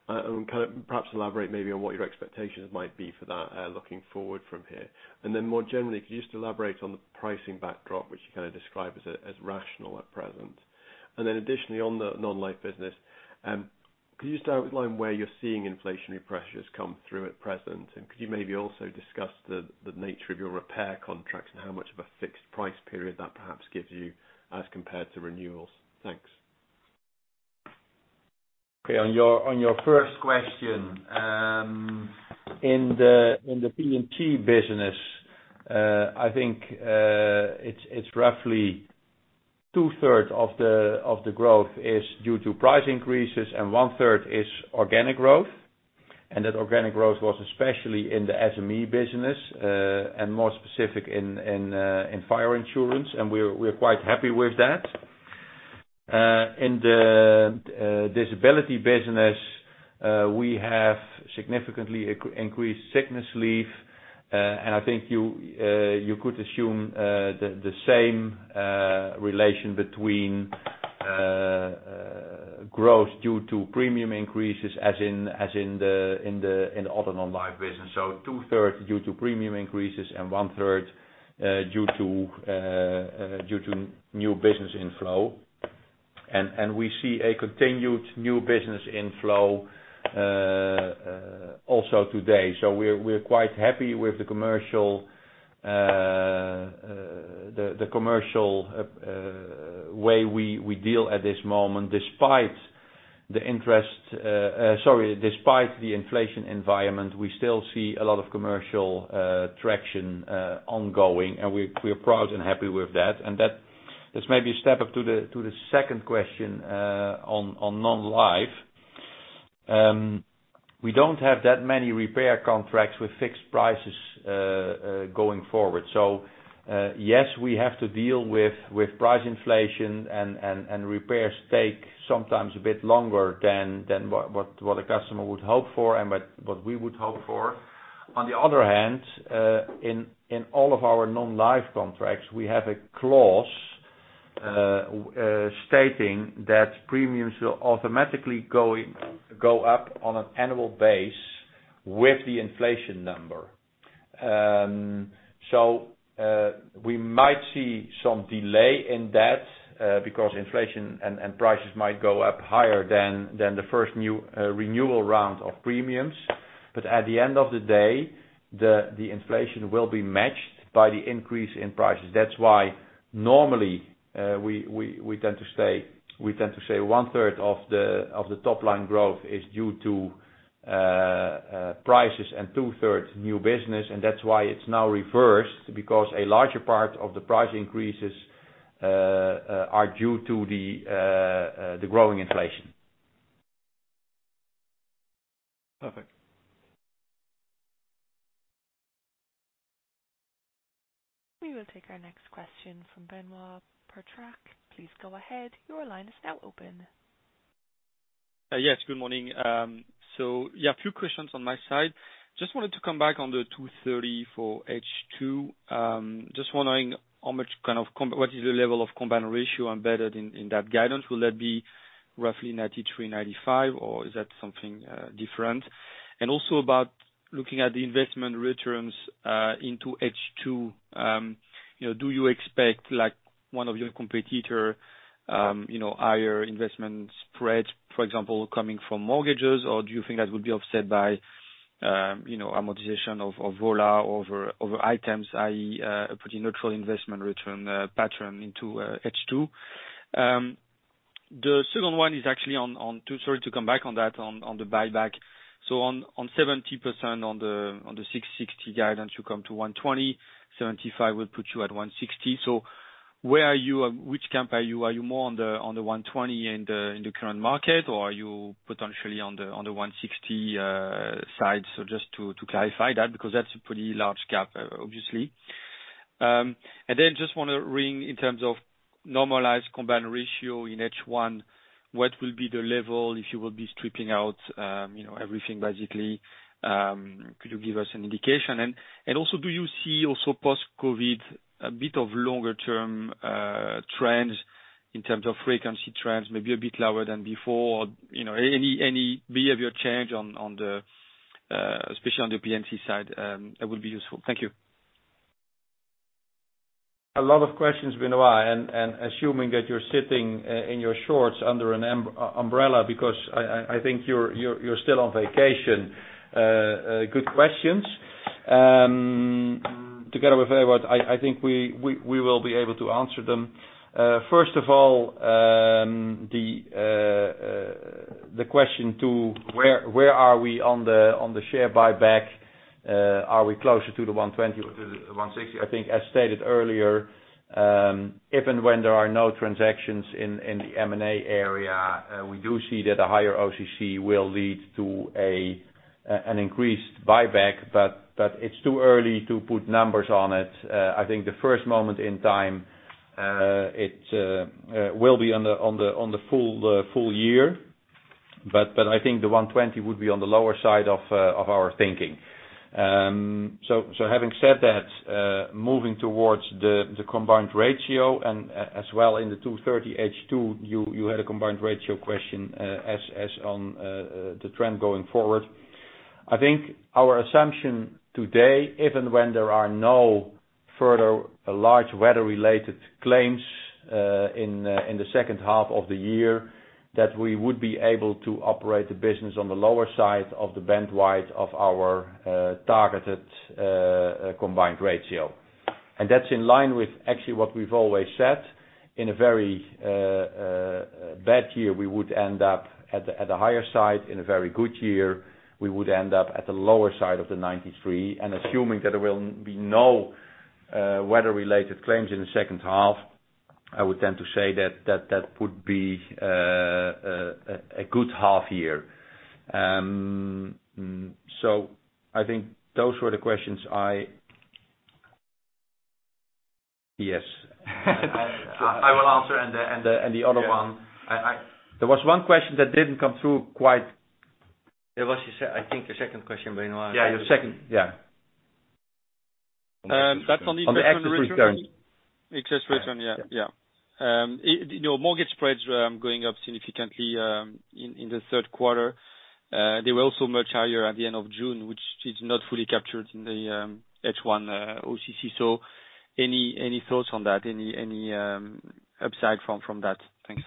And kind of perhaps elaborate maybe on what your expectations might be for that, looking forward from here. More generally, could you just elaborate on the pricing backdrop, which you kinda described as rational at present? Additionally, on the non-life business, could you start with line where you're seeing inflationary pressures come through at present? Could you maybe also discuss the nature of your repair contracts and how much of a fixed price period that perhaps gives you as compared to renewals? Thanks. Okay. On your first question, in the P&C business, I think it's roughly two-thirds of the growth is due to price increases and one-third is organic growth. That organic growth was especially in the SME business, and more specific in fire insurance, and we're quite happy with that. In the disability business, we have significantly increased sickness leave. I think you could assume the same relation between growth due to premium increases as in the other non-life business. Two-thirds due to premium increases and one-third due to new business inflow. We see a continued new business inflow also today. We're quite happy with the commercial way we deal at this moment. Despite the inflation environment, we still see a lot of commercial traction ongoing, and we're proud and happy with that. That this may be a step up to the second question on non-life. We don't have that many repair contracts with fixed prices going forward. Yes, we have to deal with price inflation and repairs take sometimes a bit longer than what a customer would hope for and what we would hope for. On the other hand, in all of our non-life contracts, we have a clause stating that premiums will automatically go up on an annual basis with the inflation number. We might see some delay in that, because inflation and prices might go up higher than the first renewal round of premiums. At the end of the day, the inflation will be matched by the increase in prices. That's why normally, we tend to say one-third of the top line growth is due to prices and two-thirds new business, and that's why it's now reversed, because a larger part of the price increases are due to the growing inflation. Perfect. We will take our next question from Benoit Pétrarque. Please go ahead. Your line is now open. Yes, good morning. A few questions on my side. Just wanted to come back on the 230 for H2. Just wondering how much kind of what is the level of combined ratio embedded in that guidance? Will that be roughly 93%-95%, or is that something different? Also about looking at the investment returns into H2, you know, do you expect like one of your competitor, you know, higher investment spreads, for example, coming from mortgages? Or do you think that would be offset by, you know, amortization of VOBA over items, i.e., a pretty neutral investment return pattern into H2? The second one is actually on the buyback. On 70% on the 660 guidance, you come to 120, 75 will put you at 160. Where are you? Which camp are you? Are you more on the 120 in the current market, or are you potentially on the 160 side? Just to clarify that, because that's a pretty large gap, obviously. And then just wanna weigh in terms of normalized combined ratio in H1. What will be the level if you will be stripping out everything, basically? Could you give us an indication? Also, do you see also post-COVID a bit of longer-term trends in terms of frequency trends, maybe a bit lower than before? You know, any behavior change, especially on the P&C side, that would be useful. Thank you. A lot of questions, Benoit, and assuming that you're sitting in your shorts under an umbrella, because I think you're still on vacation. Good questions. Together with Ewout, I think we will be able to answer them. First of all, the question to where are we on the share buyback? Are we closer to the 120 or to the 160? I think, as stated earlier, if and when there are no transactions in the M&A area, we do see that a higher OCC will lead to an increased buyback, but it's too early to put numbers on it. I think the first moment in time it will be on the full year. I think the 120 would be on the lower side of our thinking. Having said that, moving towards the combined ratio and as well in the 230 H2, you had a combined ratio question on the trend going forward. I think our assumption today, if and when there are no further large weather-related claims in the second half of the year, that we would be able to operate the business on the lower side of the bandwidth of our targeted combined ratio. That's in line with actually what we've always said. In a very bad year, we would end up at the higher side. In a very good year, we would end up at the lower side of the 93%. Assuming that there will be no weather-related claims in the second half, I would tend to say that that would be a good half year. I think those were the questions. Yes. I will answer and the other one. Yeah. I- There was one question that didn't come through quite. It was the second question, I think, Benoit. Yeah, your second. Yeah. That's on the excess return. On the excess return. Excess return. Yeah. Yeah. You know, mortgage spreads going up significantly in the third quarter. They were also much higher at the end of June, which is not fully captured in the H1 OCC. Any upside from that? Thanks.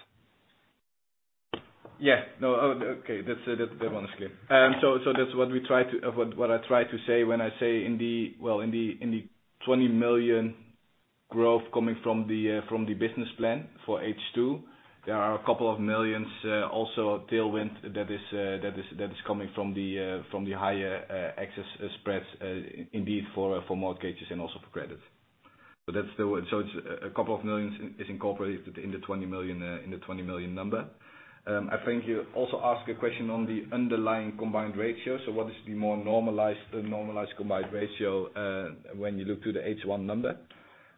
Yeah. No. Oh, okay. That's that one is clear. That's what I try to say when I say in the 20 million growth coming from the business plan for H2, there are a couple of millions also a tailwind that is coming from the higher excess spreads indeed for mortgages and also for credits. That's it. A couple of millions is incorporated into 20 million in the 20 million number. I think you also asked a question on the underlying combined ratio. What is the more normalized combined ratio when you look to the H1 number?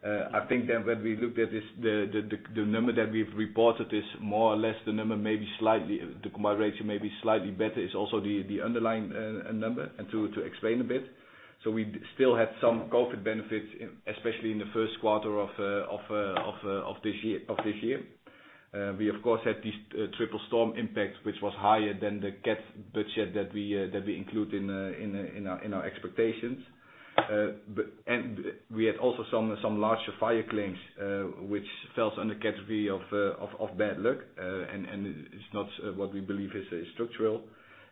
I think that when we look at this, the number that we've reported is more or less the number. The combined ratio may be slightly better, is also the underlying number. To explain a bit, we still had some COVID benefits, especially in the first quarter of this year. We of course had this triple storm impact, which was higher than the CAT budget that we include in our expectations. We had also some larger fire claims, which fell under category of bad luck. It's not what we believe is structural.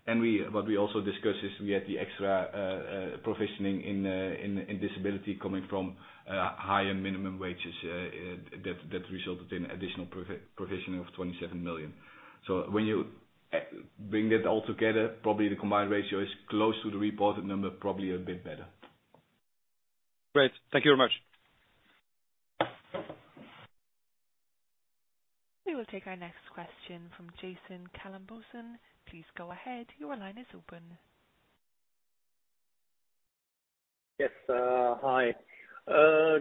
What we also discussed is we had the extra provisioning in disability coming from higher minimum wages that resulted in additional provisioning of 27 million. When you bring that all together, probably the combined ratio is close to the reported number, probably a bit better. Great. Thank you very much. We will take our next question from Jason Kalamboussis. Please go ahead. Your line is open. Yes, hi.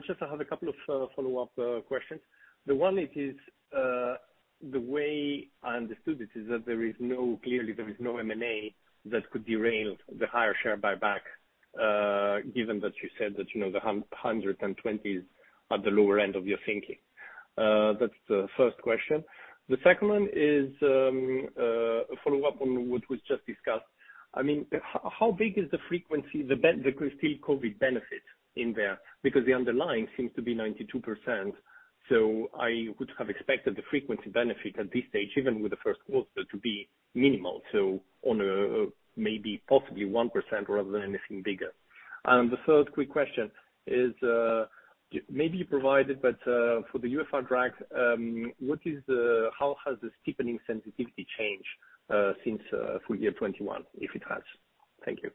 Just, I have a couple of follow-up questions. The one is, the way I understood it is that there is no clearly there is no M&A that could derail the higher share buyback, given that you said that, you know, 120 is at the lower end of your thinking. That's the first question. The second one is, a follow-up on what was just discussed. I mean, how big is the frequency benefit, the COVID benefit in there? Because the underlying seems to be 92%, so I would have expected the frequency benefit at this stage, even with the first quarter, to be minimal. On a maybe possibly 1% rather than anything bigger. The third quick question is, maybe you provided, but, for the UFR drags, how has the steepening sensitivity changed, since full year 2021, if it has? Thank you.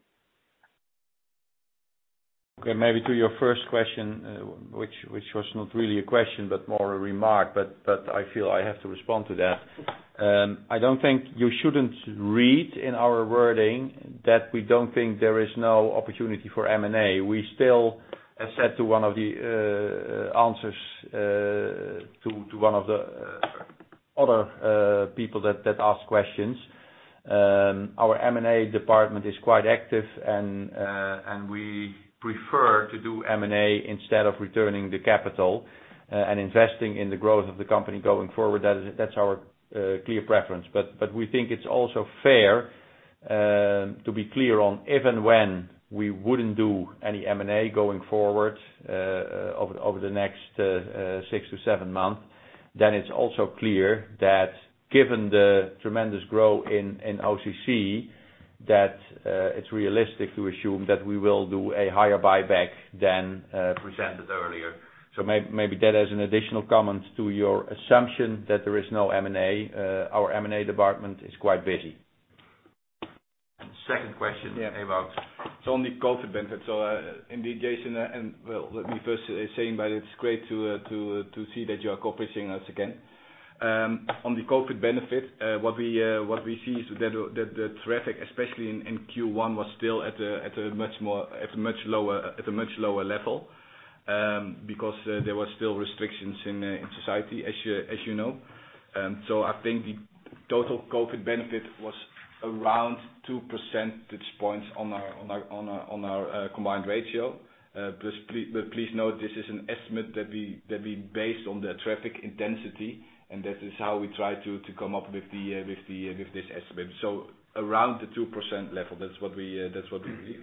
Okay, maybe to your first question, which was not really a question but more a remark, but I feel I have to respond to that. I don't think you shouldn't read in our wording that we don't think there is no opportunity for M&A. We still have said to one of the answers to one of the other people that asked questions. Our M&A department is quite active and we prefer to do M&A instead of returning the capital and investing in the growth of the company going forward. That is, that's our clear preference. We think it's also fair to be clear on if and when we wouldn't do any M&A going forward over the next 6-7 months. It's also clear that given the tremendous growth in OCC, it's realistic to assume that we will do a higher buyback than presented earlier. Maybe that as an additional comment to your assumption that there is no M&A. Our M&A department is quite busy. Second question about On the COVID benefit. Indeed, Jason, well, let me first say it's great to see that you are covering us again. On the COVID benefit, what we see is that the traffic, especially in Q1, was still at a much lower level, because there were still restrictions in society, as you know. I think the total COVID benefit was around two percentage points on our combined ratio. Please note this is an estimate that we based on the traffic intensity, and that is how we try to come up with this estimate. Around the 2% level, that's what we believe.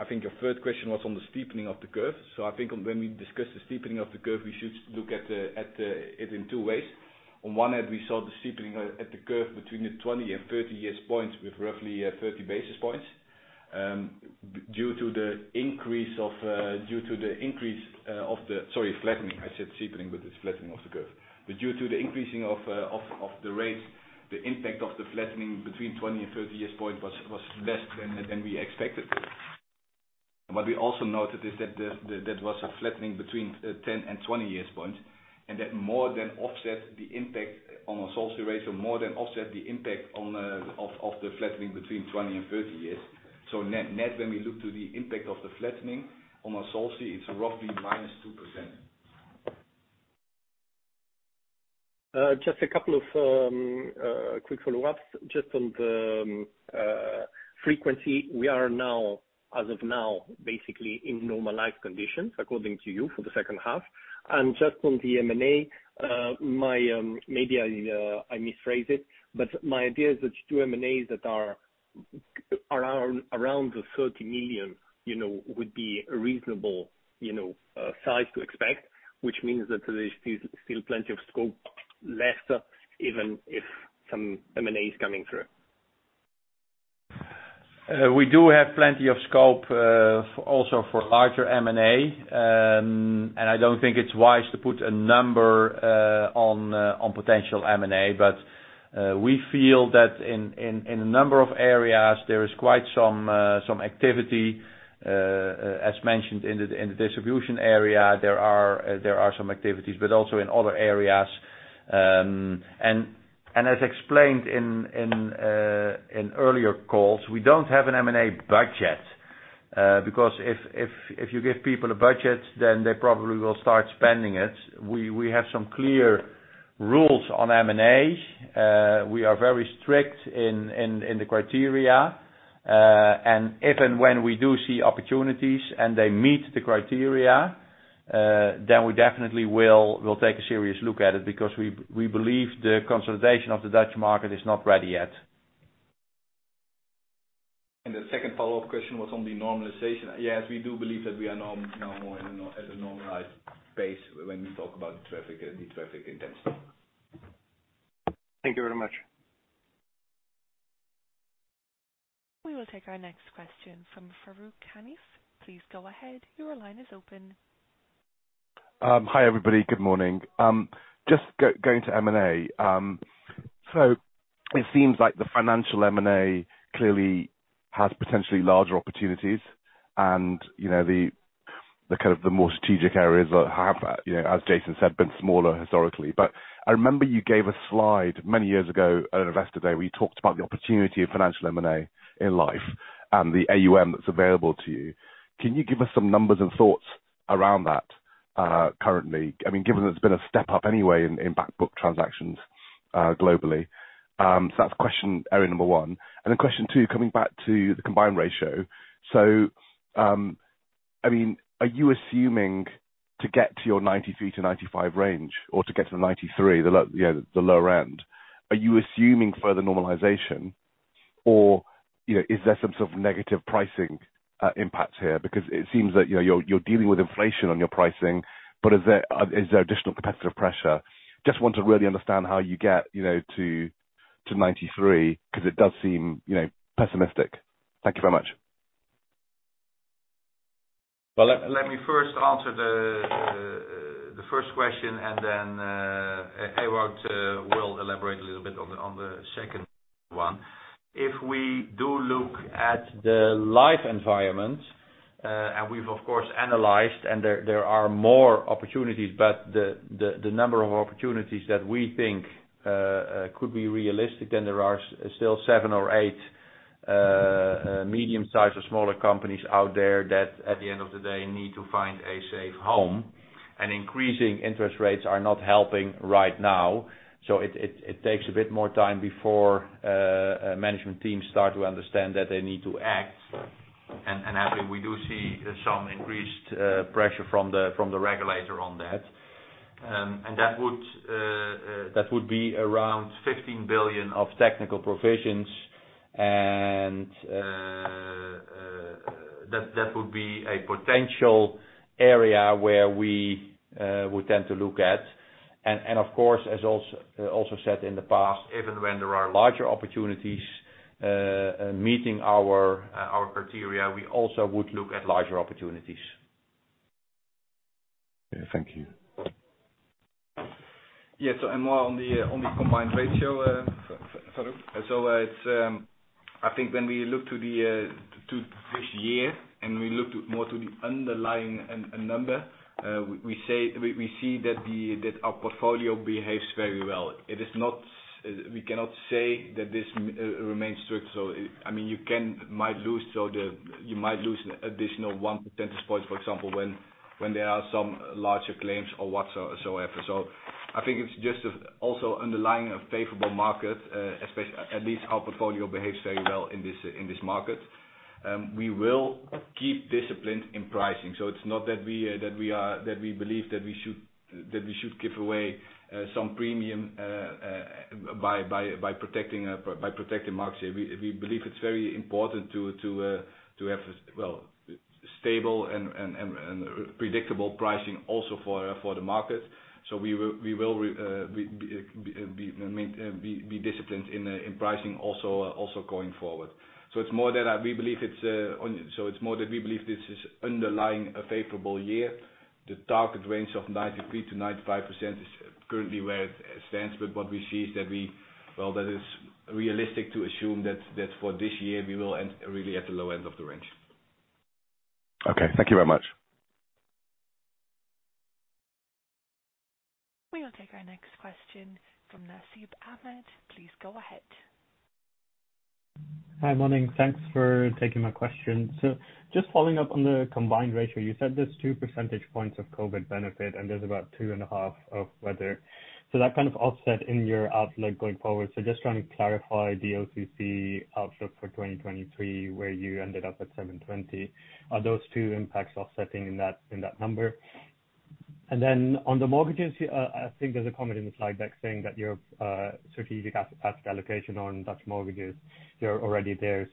I think your third question was on the steepening of the curve. I think when we discuss the steepening of the curve, we should look at it in two ways. On one end, we saw the steepening at the curve between the 20- and 30-year points with roughly 30 basis points. Sorry, flattening. I said steepening, but it's flattening of the curve. Due to the increasing of the rates, the impact of the flattening between 20 and 30 years point was less than we expected. What we also noted is that there was a flattening between 10 and 20 years points, and that more than offset the impact on our associate ratio, more than offset the impact of the flattening between 20 and 30 years. Net, when we look to the impact of the flattening on our associate, it's roughly -2%. Just a couple of quick follow-ups. Just on the frequency, we are now, as of now, basically in normalized conditions, according to you, for the second half. Just on the M&A, my maybe I misphrased it, but my idea is that two M&As that are around 30 million, you know, would be a reasonable, you know, size to expect, which means that there's still plenty of scope left, even if some M&A is coming through. We do have plenty of scope, also for larger M&A. I don't think it's wise to put a number on potential M&A, but we feel that in a number of areas, there is quite some activity. As mentioned in the distribution area, there are some activities, but also in other areas. As explained in earlier calls, we don't have an M&A budget, because if you give people a budget, then they probably will start spending it. We have some clear rules on M&A. We are very strict in the criteria, and if and when we do see opportunities and they meet the criteria, then we definitely will take a serious look at it because we believe the consolidation of the Dutch market is not ready yet. The second follow-up question was on the normalization. Yes, we do believe that we are, you know, more at a normalized pace when we talk about traffic, the traffic intensity. Thank you very much. We will take our next question from Farooq Hanif. Please go ahead. Your line is open. Hi, everybody. Good morning. Just going to M&A. It seems like the financial M&A clearly has potentially larger opportunities and, you know, the kind of the more strategic areas that have, you know, as Jason said, been smaller historically. I remember you gave a slide many years ago at Investor Day where you talked about the opportunity of financial M&A in life and the AUM that's available to you. Can you give us some numbers and thoughts around that, currently? I mean, given that it's been a step up anyway in back-book transactions, globally. That's question area number one. Question two, coming back to the combined ratio. I mean, are you assuming to get to your 93%-95% range or to get to the 93%, the lower end, are you assuming further normalization or, you know, is there some sort of negative pricing impacts here? Because it seems that, you know, you're dealing with inflation on your pricing, but is there additional competitive pressure? Just want to really understand how you get, you know, to 93% 'cause it does seem, you know, pessimistic. Thank you very much. Well, let me first answer the first question and then Ewout will elaborate a little bit on the second one. If we do look at the life environment and we've of course analyzed and there are more opportunities, but the number of opportunities that we think could be realistic, then there are still seven or eight medium-sized or smaller companies out there that, at the end of the day, need to find a safe home. Increasing interest rates are not helping right now, so it takes a bit more time before a management team start to understand that they need to act. I think we do see some increased pressure from the regulator on that. That would be around 15 billion of technical provisions and that would be a potential area where we would tend to look at. Of course, as also said in the past, even when there are larger opportunities meeting our criteria, we also would look at larger opportunities. Yeah. Thank you. More on the combined ratio, Farooq. I think when we look to this year and we look more to the underlying number, we see that our portfolio behaves very well. It is not, we cannot say that this remains strict. I mean, you might lose additional one percentage points, for example, when there are some larger claims or whatsoever. I think it's just also underlining a favorable market, at least our portfolio behaves very well in this market. We will keep disciplined in pricing. It's not that we believe that we should give away some premium by protecting market share. We believe it's very important to have, well, stable and predictable pricing also for the market. We will be disciplined in pricing also going forward. It's more that we believe this is underlying a favorable year. The target range of 93%-95% is currently where it stands. What we see is that it is realistic to assume that for this year we will end really at the low end of the range. Okay. Thank you very much. We will take our next question from Nasib Ahmed. Please go ahead. Hi. Morning. Thanks for taking my question. Just following up on the combined ratio, you said there's 2 percentage points of COVID benefit and there's about 2.5 of weather. That kind of offset in your outlook going forward. Just trying to clarify the OCC outlook for 2023, where you ended up at 720. Are those 2 impacts offsetting in that number? Then on the mortgages, I think there's a comment in the slide deck saying that your strategic asset allocation on Dutch mortgages, they're already there.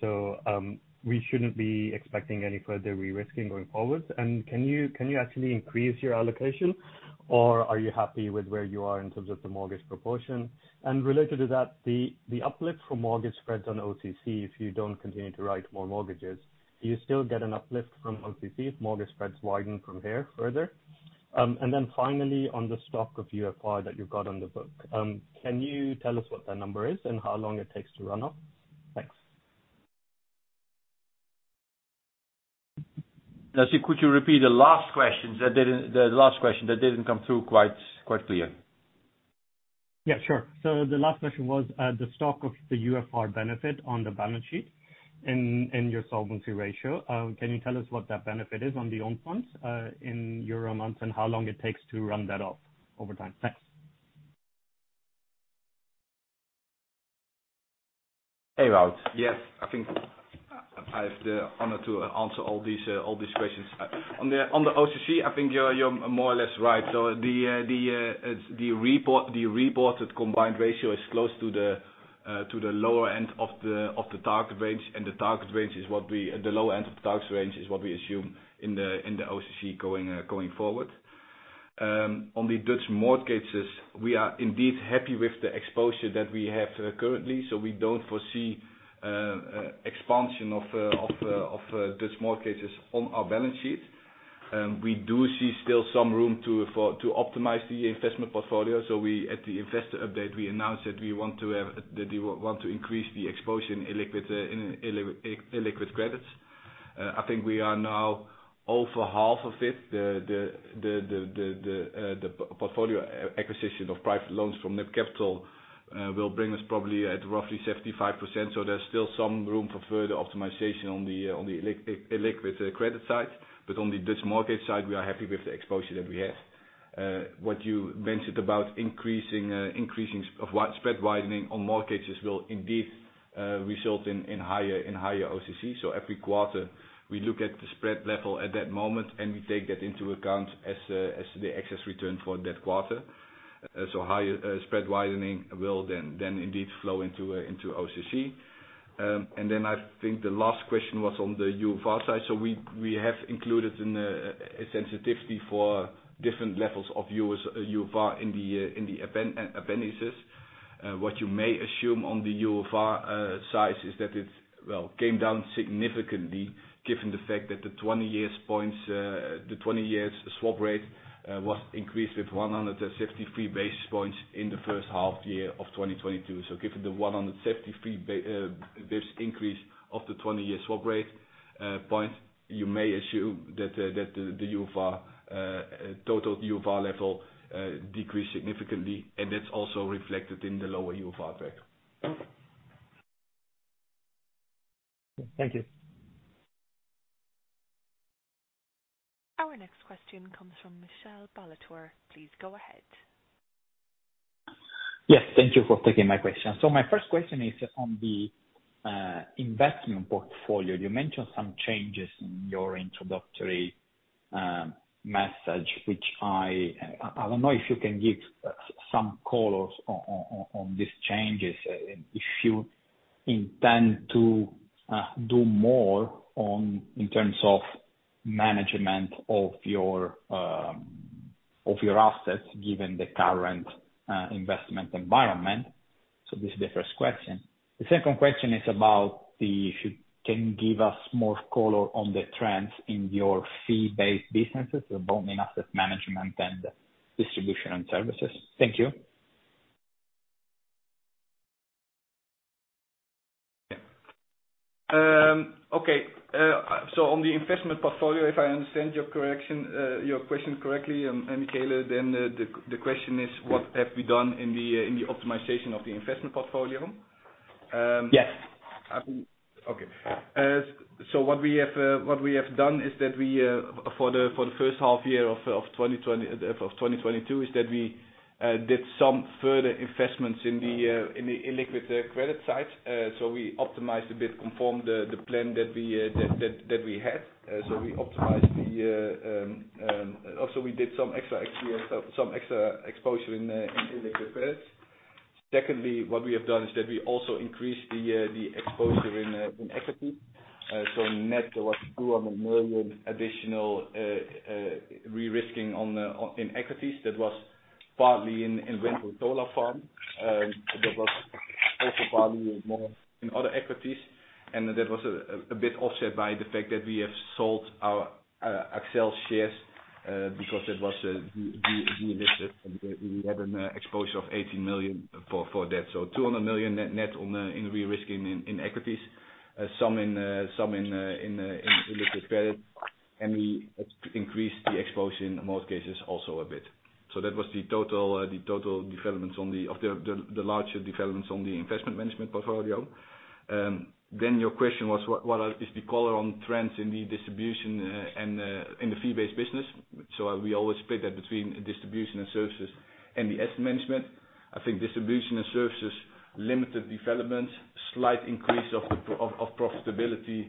We shouldn't be expecting any further risking going forward. Can you actually increase your allocation or are you happy with where you are in terms of the mortgage proportion? Related to that, the uplift for mortgage spreads on OCC, if you don't continue to write more mortgages, do you still get an uplift from OCC if mortgage spreads widen from here further? Finally, on the stock of UFR that you've got on the book, can you tell us what that number is and how long it takes to run off? Thanks. Nasib, could you repeat the last question? That didn't come through quite clear. Yeah, sure. The last question was the stock of the UFR benefit on the balance sheet in your solvency ratio. Can you tell us what that benefit is on the own funds in euro amounts and how long it takes to run that off over time? Thanks. Ewout. Yes. I think I have the honor to answer all these questions. On the OCC, I think you're more or less right. The reported combined ratio is close to the lower end of the target range. The low end of the target range is what we assume in the OCC going forward. On the Dutch mortgages, we are indeed happy with the exposure that we have currently, so we don't foresee expansion of Dutch mortgages on our balance sheet. We do see still some room to optimize the investment portfolio. At the investor update, we announced that we want to increase the exposure in illiquid credits. I think we are now over half of it. The portfolio acquisition of private loans from NIBC will bring us probably at roughly 75%. There's still some room for further optimization on the illiquid credit side. On the Dutch mortgage side, we are happy with the exposure that we have. What you mentioned about increasing spread widening on mortgages will indeed result in higher OCC. Every quarter, we look at the spread level at that moment, and we take that into account as the excess return for that quarter. Higher spread widening will then indeed flow into OCI. I think the last question was on the UFR side. We have included in a sensitivity for different levels of UFR in the appendices. What you may assume on the UFR size is that it's well came down significantly given the fact that the 20-year swap rate was increased with 163 basis points in the first half year of 2022. Given the 173 basis increase of the 20-year swap rate, you may assume that the total UFR level decreased significantly, and that's also reflected in the lower UFR track. Thank you. Our next question comes from Michele Ballatore. Please go ahead. Yes, thank you for taking my question. My first question is on the investment portfolio. You mentioned some changes in your introductory message, which I don't know if you can give some colors on these changes, if you intend to do more on in terms of management of your assets, given the current investment environment. This is the first question. The second question is if you can give us more color on the trends in your fee-based businesses, both in asset management and distribution and services. Thank you. Okay. On the investment portfolio, if I understand your question correctly, and Michel Hülters, then the question is, what have we done in the optimization of the investment portfolio? Yes. Okay. What we have done is that for the first half year of 2022, we did some further investments in the illiquid credit side. We optimized a bit conform to the plan that we had. Also, we did some extra exposure in illiquid credits. Secondly, what we have done is that we also increased the exposure in equity. Net was 200 million additional re-risking in equities. That was partly in wind and solar farm. That was also partly more in other equities. That was a bit offset by the fact that we have sold our Axcel shares because it was delisted. We had an exposure of 80 million for that. 200 million net on the in re-risking in equities. Some in illiquid credit. We increased the exposure in most cases also a bit. That was the total developments on the larger developments on the investment management portfolio. Your question was, what is the color on trends in the distribution and in the fee-based business. We always split that between distribution and services and the asset management. I think distribution and services, limited development, slight increase of profitability,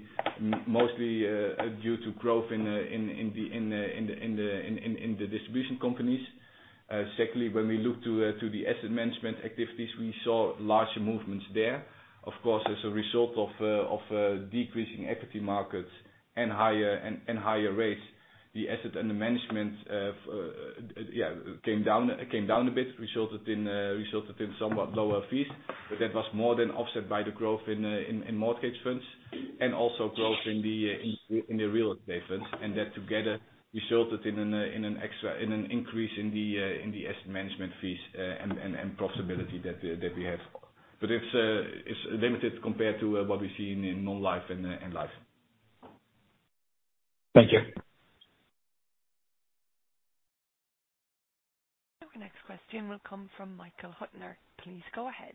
mostly due to growth in the distribution companies. Secondly, when we look to the asset management activities, we saw larger movements there. Of course, as a result of decreasing equity markets and higher rates, the asset management came down a bit, resulted in somewhat lower fees. But that was more than offset by the growth in mortgage funds and also growth in the real estate funds. That together resulted in an increase in the asset management fees and profitability that we have. It's limited compared to what we see in non-life and in life. Thank you. Our next question will come from Michael Huttner. Please go ahead.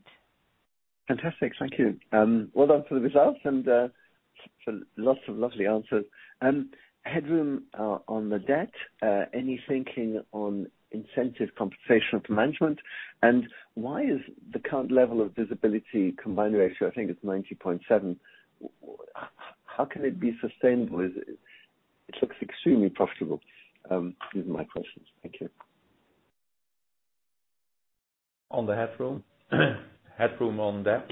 Fantastic. Thank you. Well done for the results and lots of lovely answers. Headroom on the debt. Any thinking on incentive compensation for management? Why is the current level of visibility combined ratio, I think it's 90.7%, how can it be sustainable? Is it? It looks extremely profitable. These are my questions. Thank you. On the headroom. Headroom on debt.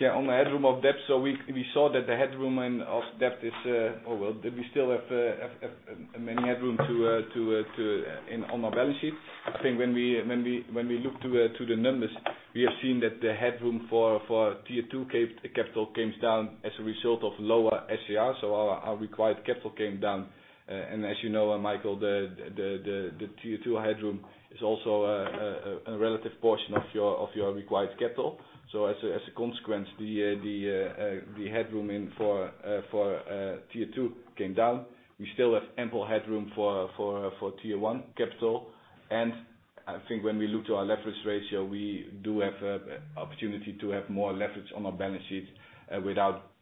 Yeah, on the headroom of debt. We saw that we still have many headroom on our balance sheet. I think when we look to the numbers, we have seen that the headroom for Tier 2 capital came down as a result of lower SCR, so our required capital came down. As you know, Michael, the Tier 2 headroom is also a relative portion of your required capital. As a consequence, the headroom for Tier 2 came down. We still have ample headroom for Tier 1 capital. I think when we look to our leverage ratio, we do have opportunity to have more leverage on our balance sheet without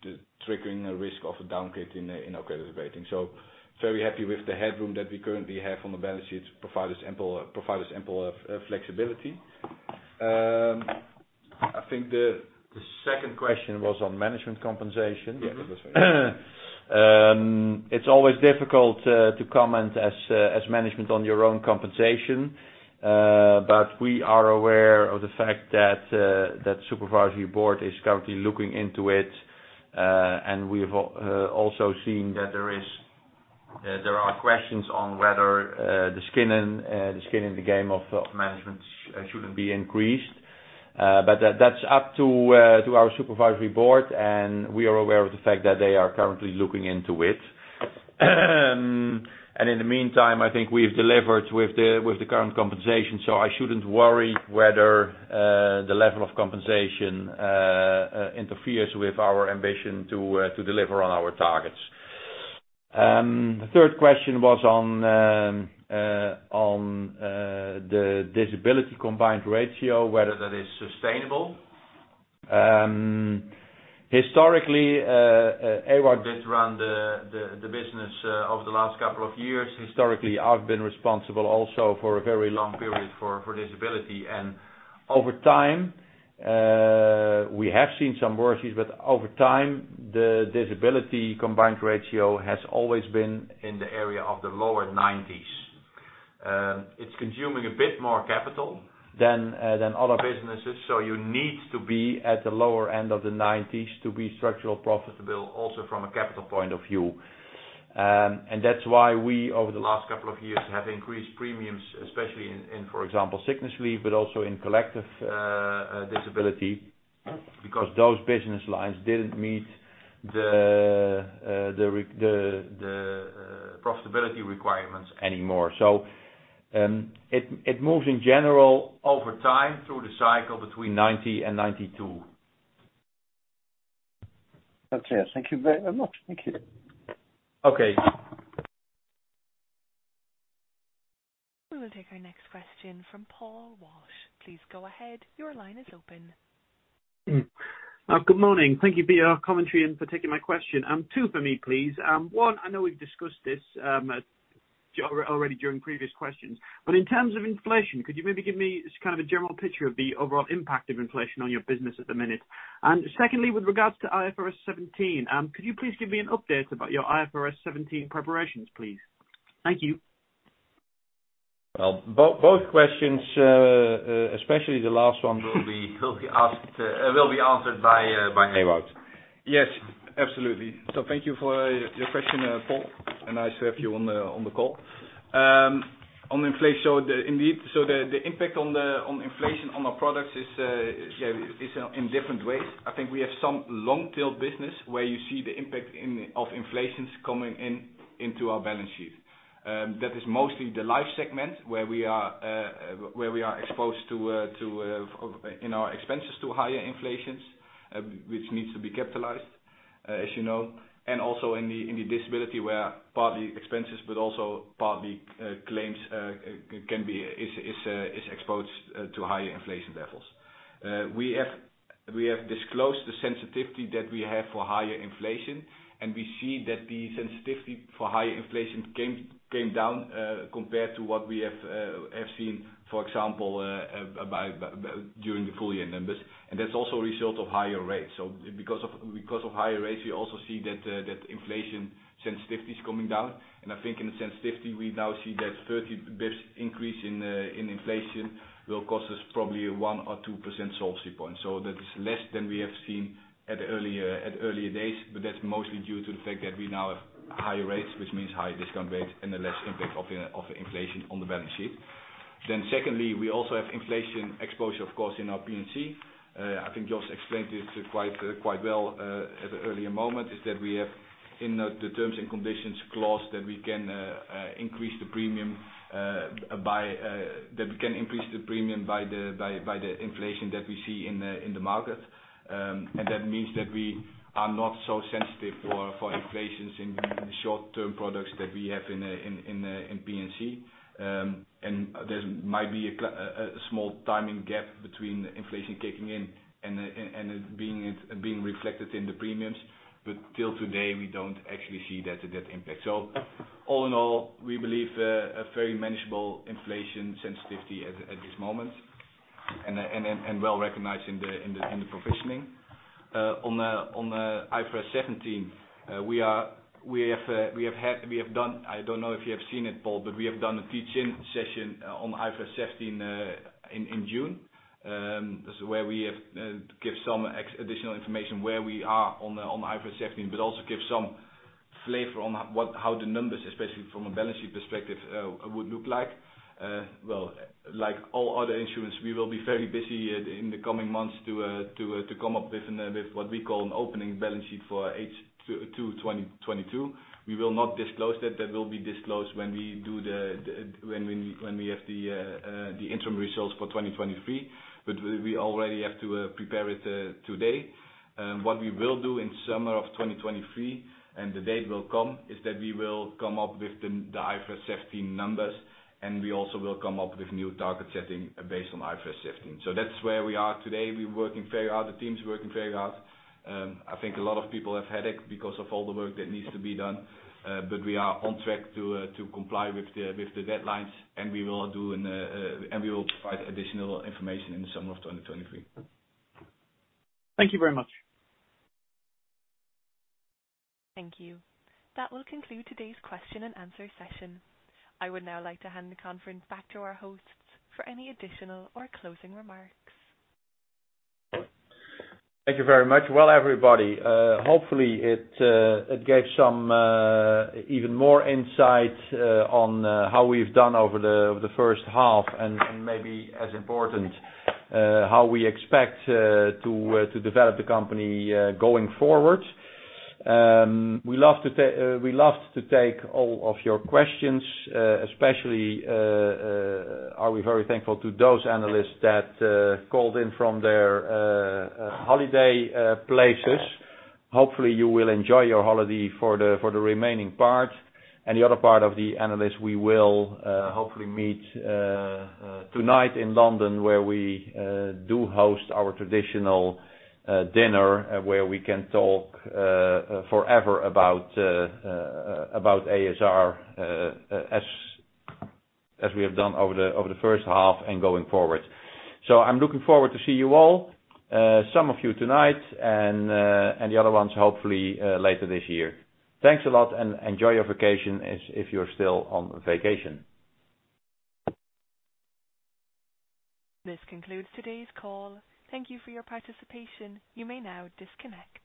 triggering a risk of a downgrade in our credit rating. Very happy with the headroom that we currently have on the balance sheet to provide us ample flexibility. I think the second question was on management compensation. Yes, it was. It's always difficult to comment as management on your own compensation. We are aware of the fact that supervisory board is currently looking into it, and we've also seen that there are questions on whether the skin in the game of management shouldn't be increased. That's up to our supervisory board, and we are aware of the fact that they are currently looking into it. In the meantime, I think we've delivered with the current compensation, so I shouldn't worry whether the level of compensation interferes with our ambition to deliver on our targets. The third question was on the disability combined ratio, whether that is sustainable. Historically, Ewout did run the business over the last couple of years. Historically, I've been responsible also for a very long period for disability. Over time, we have seen some worries, but over time, the disability combined ratio has always been in the area of the lower nineties. It's consuming a bit more capital than other businesses, so you need to be at the lower end of the nineties to be structurally profitable also from a capital point of view. That's why we, over the last couple of years, have increased premiums, especially in, for example, sickness leave, but also in collective disability because those business lines didn't meet the profitability requirements anymore. It moves in general over time through the cycle between 90%-92%. Okay. Thank you very much. Thank you. Okay. We will take our next question from Paul Walsh. Please go ahead. Your line is open. Good morning. Thank you for your commentary and for taking my question. Two for me, please. One, I know we've discussed this, already during previous questions, but in terms of inflation, could you maybe give me just kind of a general picture of the overall impact of inflation on your business at the minute? Secondly, with regards to IFRS 17, could you please give me an update about your IFRS 17 preparations, please? Thank you. Well, both questions, especially the last one will be answered by Ewout. Yes, absolutely. Thank you for your question, Paul, and nice to have you on the call. On inflation, indeed, the impact of inflation on our products is in different ways. I think we have some long tail business where you see the impact of inflation coming in to our balance sheet. That is mostly the Life segment where we are exposed to, you know, expenses to higher inflation, which needs to be capitalized, as you know, and also in the Disability where partly expenses but also partly claims can be exposed to higher inflation levels. We have disclosed the sensitivity that we have for higher inflation, and we see that the sensitivity for higher inflation came down compared to what we have seen, for example, during the full year numbers. That's also a result of higher rates. Because of higher rates, we also see that inflation sensitivity is coming down. I think in the sensitivity, we now see that 30 basis points increase in inflation will cost us probably 1 or 2% solvency points. That is less than we have seen at earlier days, but that's mostly due to the fact that we now have higher rates, which means higher discount rates and a less impact of inflation on the balance sheet. Secondly, we also have inflation exposure, of course, in our P&C. I think Jos explained it quite well at the earlier moment, is that we have in the terms and conditions clause that we can increase the premium by the inflation that we see in the market. That means that we are not so sensitive for inflation in the short-term products that we have in P&C. There might be a small timing gap between inflation kicking in and it being reflected in the premiums. Till today, we don't actually see that impact. All in all, we believe a very manageable inflation sensitivity at this moment and well recognized in the provisioning. On IFRS 17, we have done—I don't know if you have seen it, Paul, but we have done a teach-in session on IFRS 17 in June. This is where we have give some additional information where we are on the IFRS 17, but also give some flavor on how the numbers, especially from a balance sheet perspective, would look like. Well, like all other insurance, we will be very busy in the coming months to come up with what we call an opening balance sheet for H2 2022. We will not disclose that. That will be disclosed when we have the interim results for 2023. We already have to prepare it today. What we will do in summer of 2023, and the date will come, is that we will come up with the IFRS 17 numbers, and we also will come up with new target setting based on IFRS 17. That's where we are today. We're working very hard. The team's working very hard. I think a lot of people have headache because of all the work that needs to be done. We are on track to comply with the deadlines. We will provide additional information in the summer of 2023. Thank you very much. Thank you. That will conclude today's question and answer session. I would now like to hand the conference back to our hosts for any additional or closing remarks. Thank you very much. Well, everybody, hopefully it gave some even more insight on how we've done over the first half and maybe as important, how we expect to develop the company going forward. We loved to take all of your questions, especially we are very thankful to those analysts that called in from their holiday places. Hopefully you will enjoy your holiday for the remaining part. The other part of the analysts we will hopefully meet tonight in London, where we do host our traditional dinner and where we can talk forever about ASR, as we have done over the first half and going forward. I'm looking forward to see you all, some of you tonight and the other ones hopefully later this year. Thanks a lot and enjoy your vacation as if you're still on vacation. This concludes today's call. Thank you for your participation. You may now disconnect.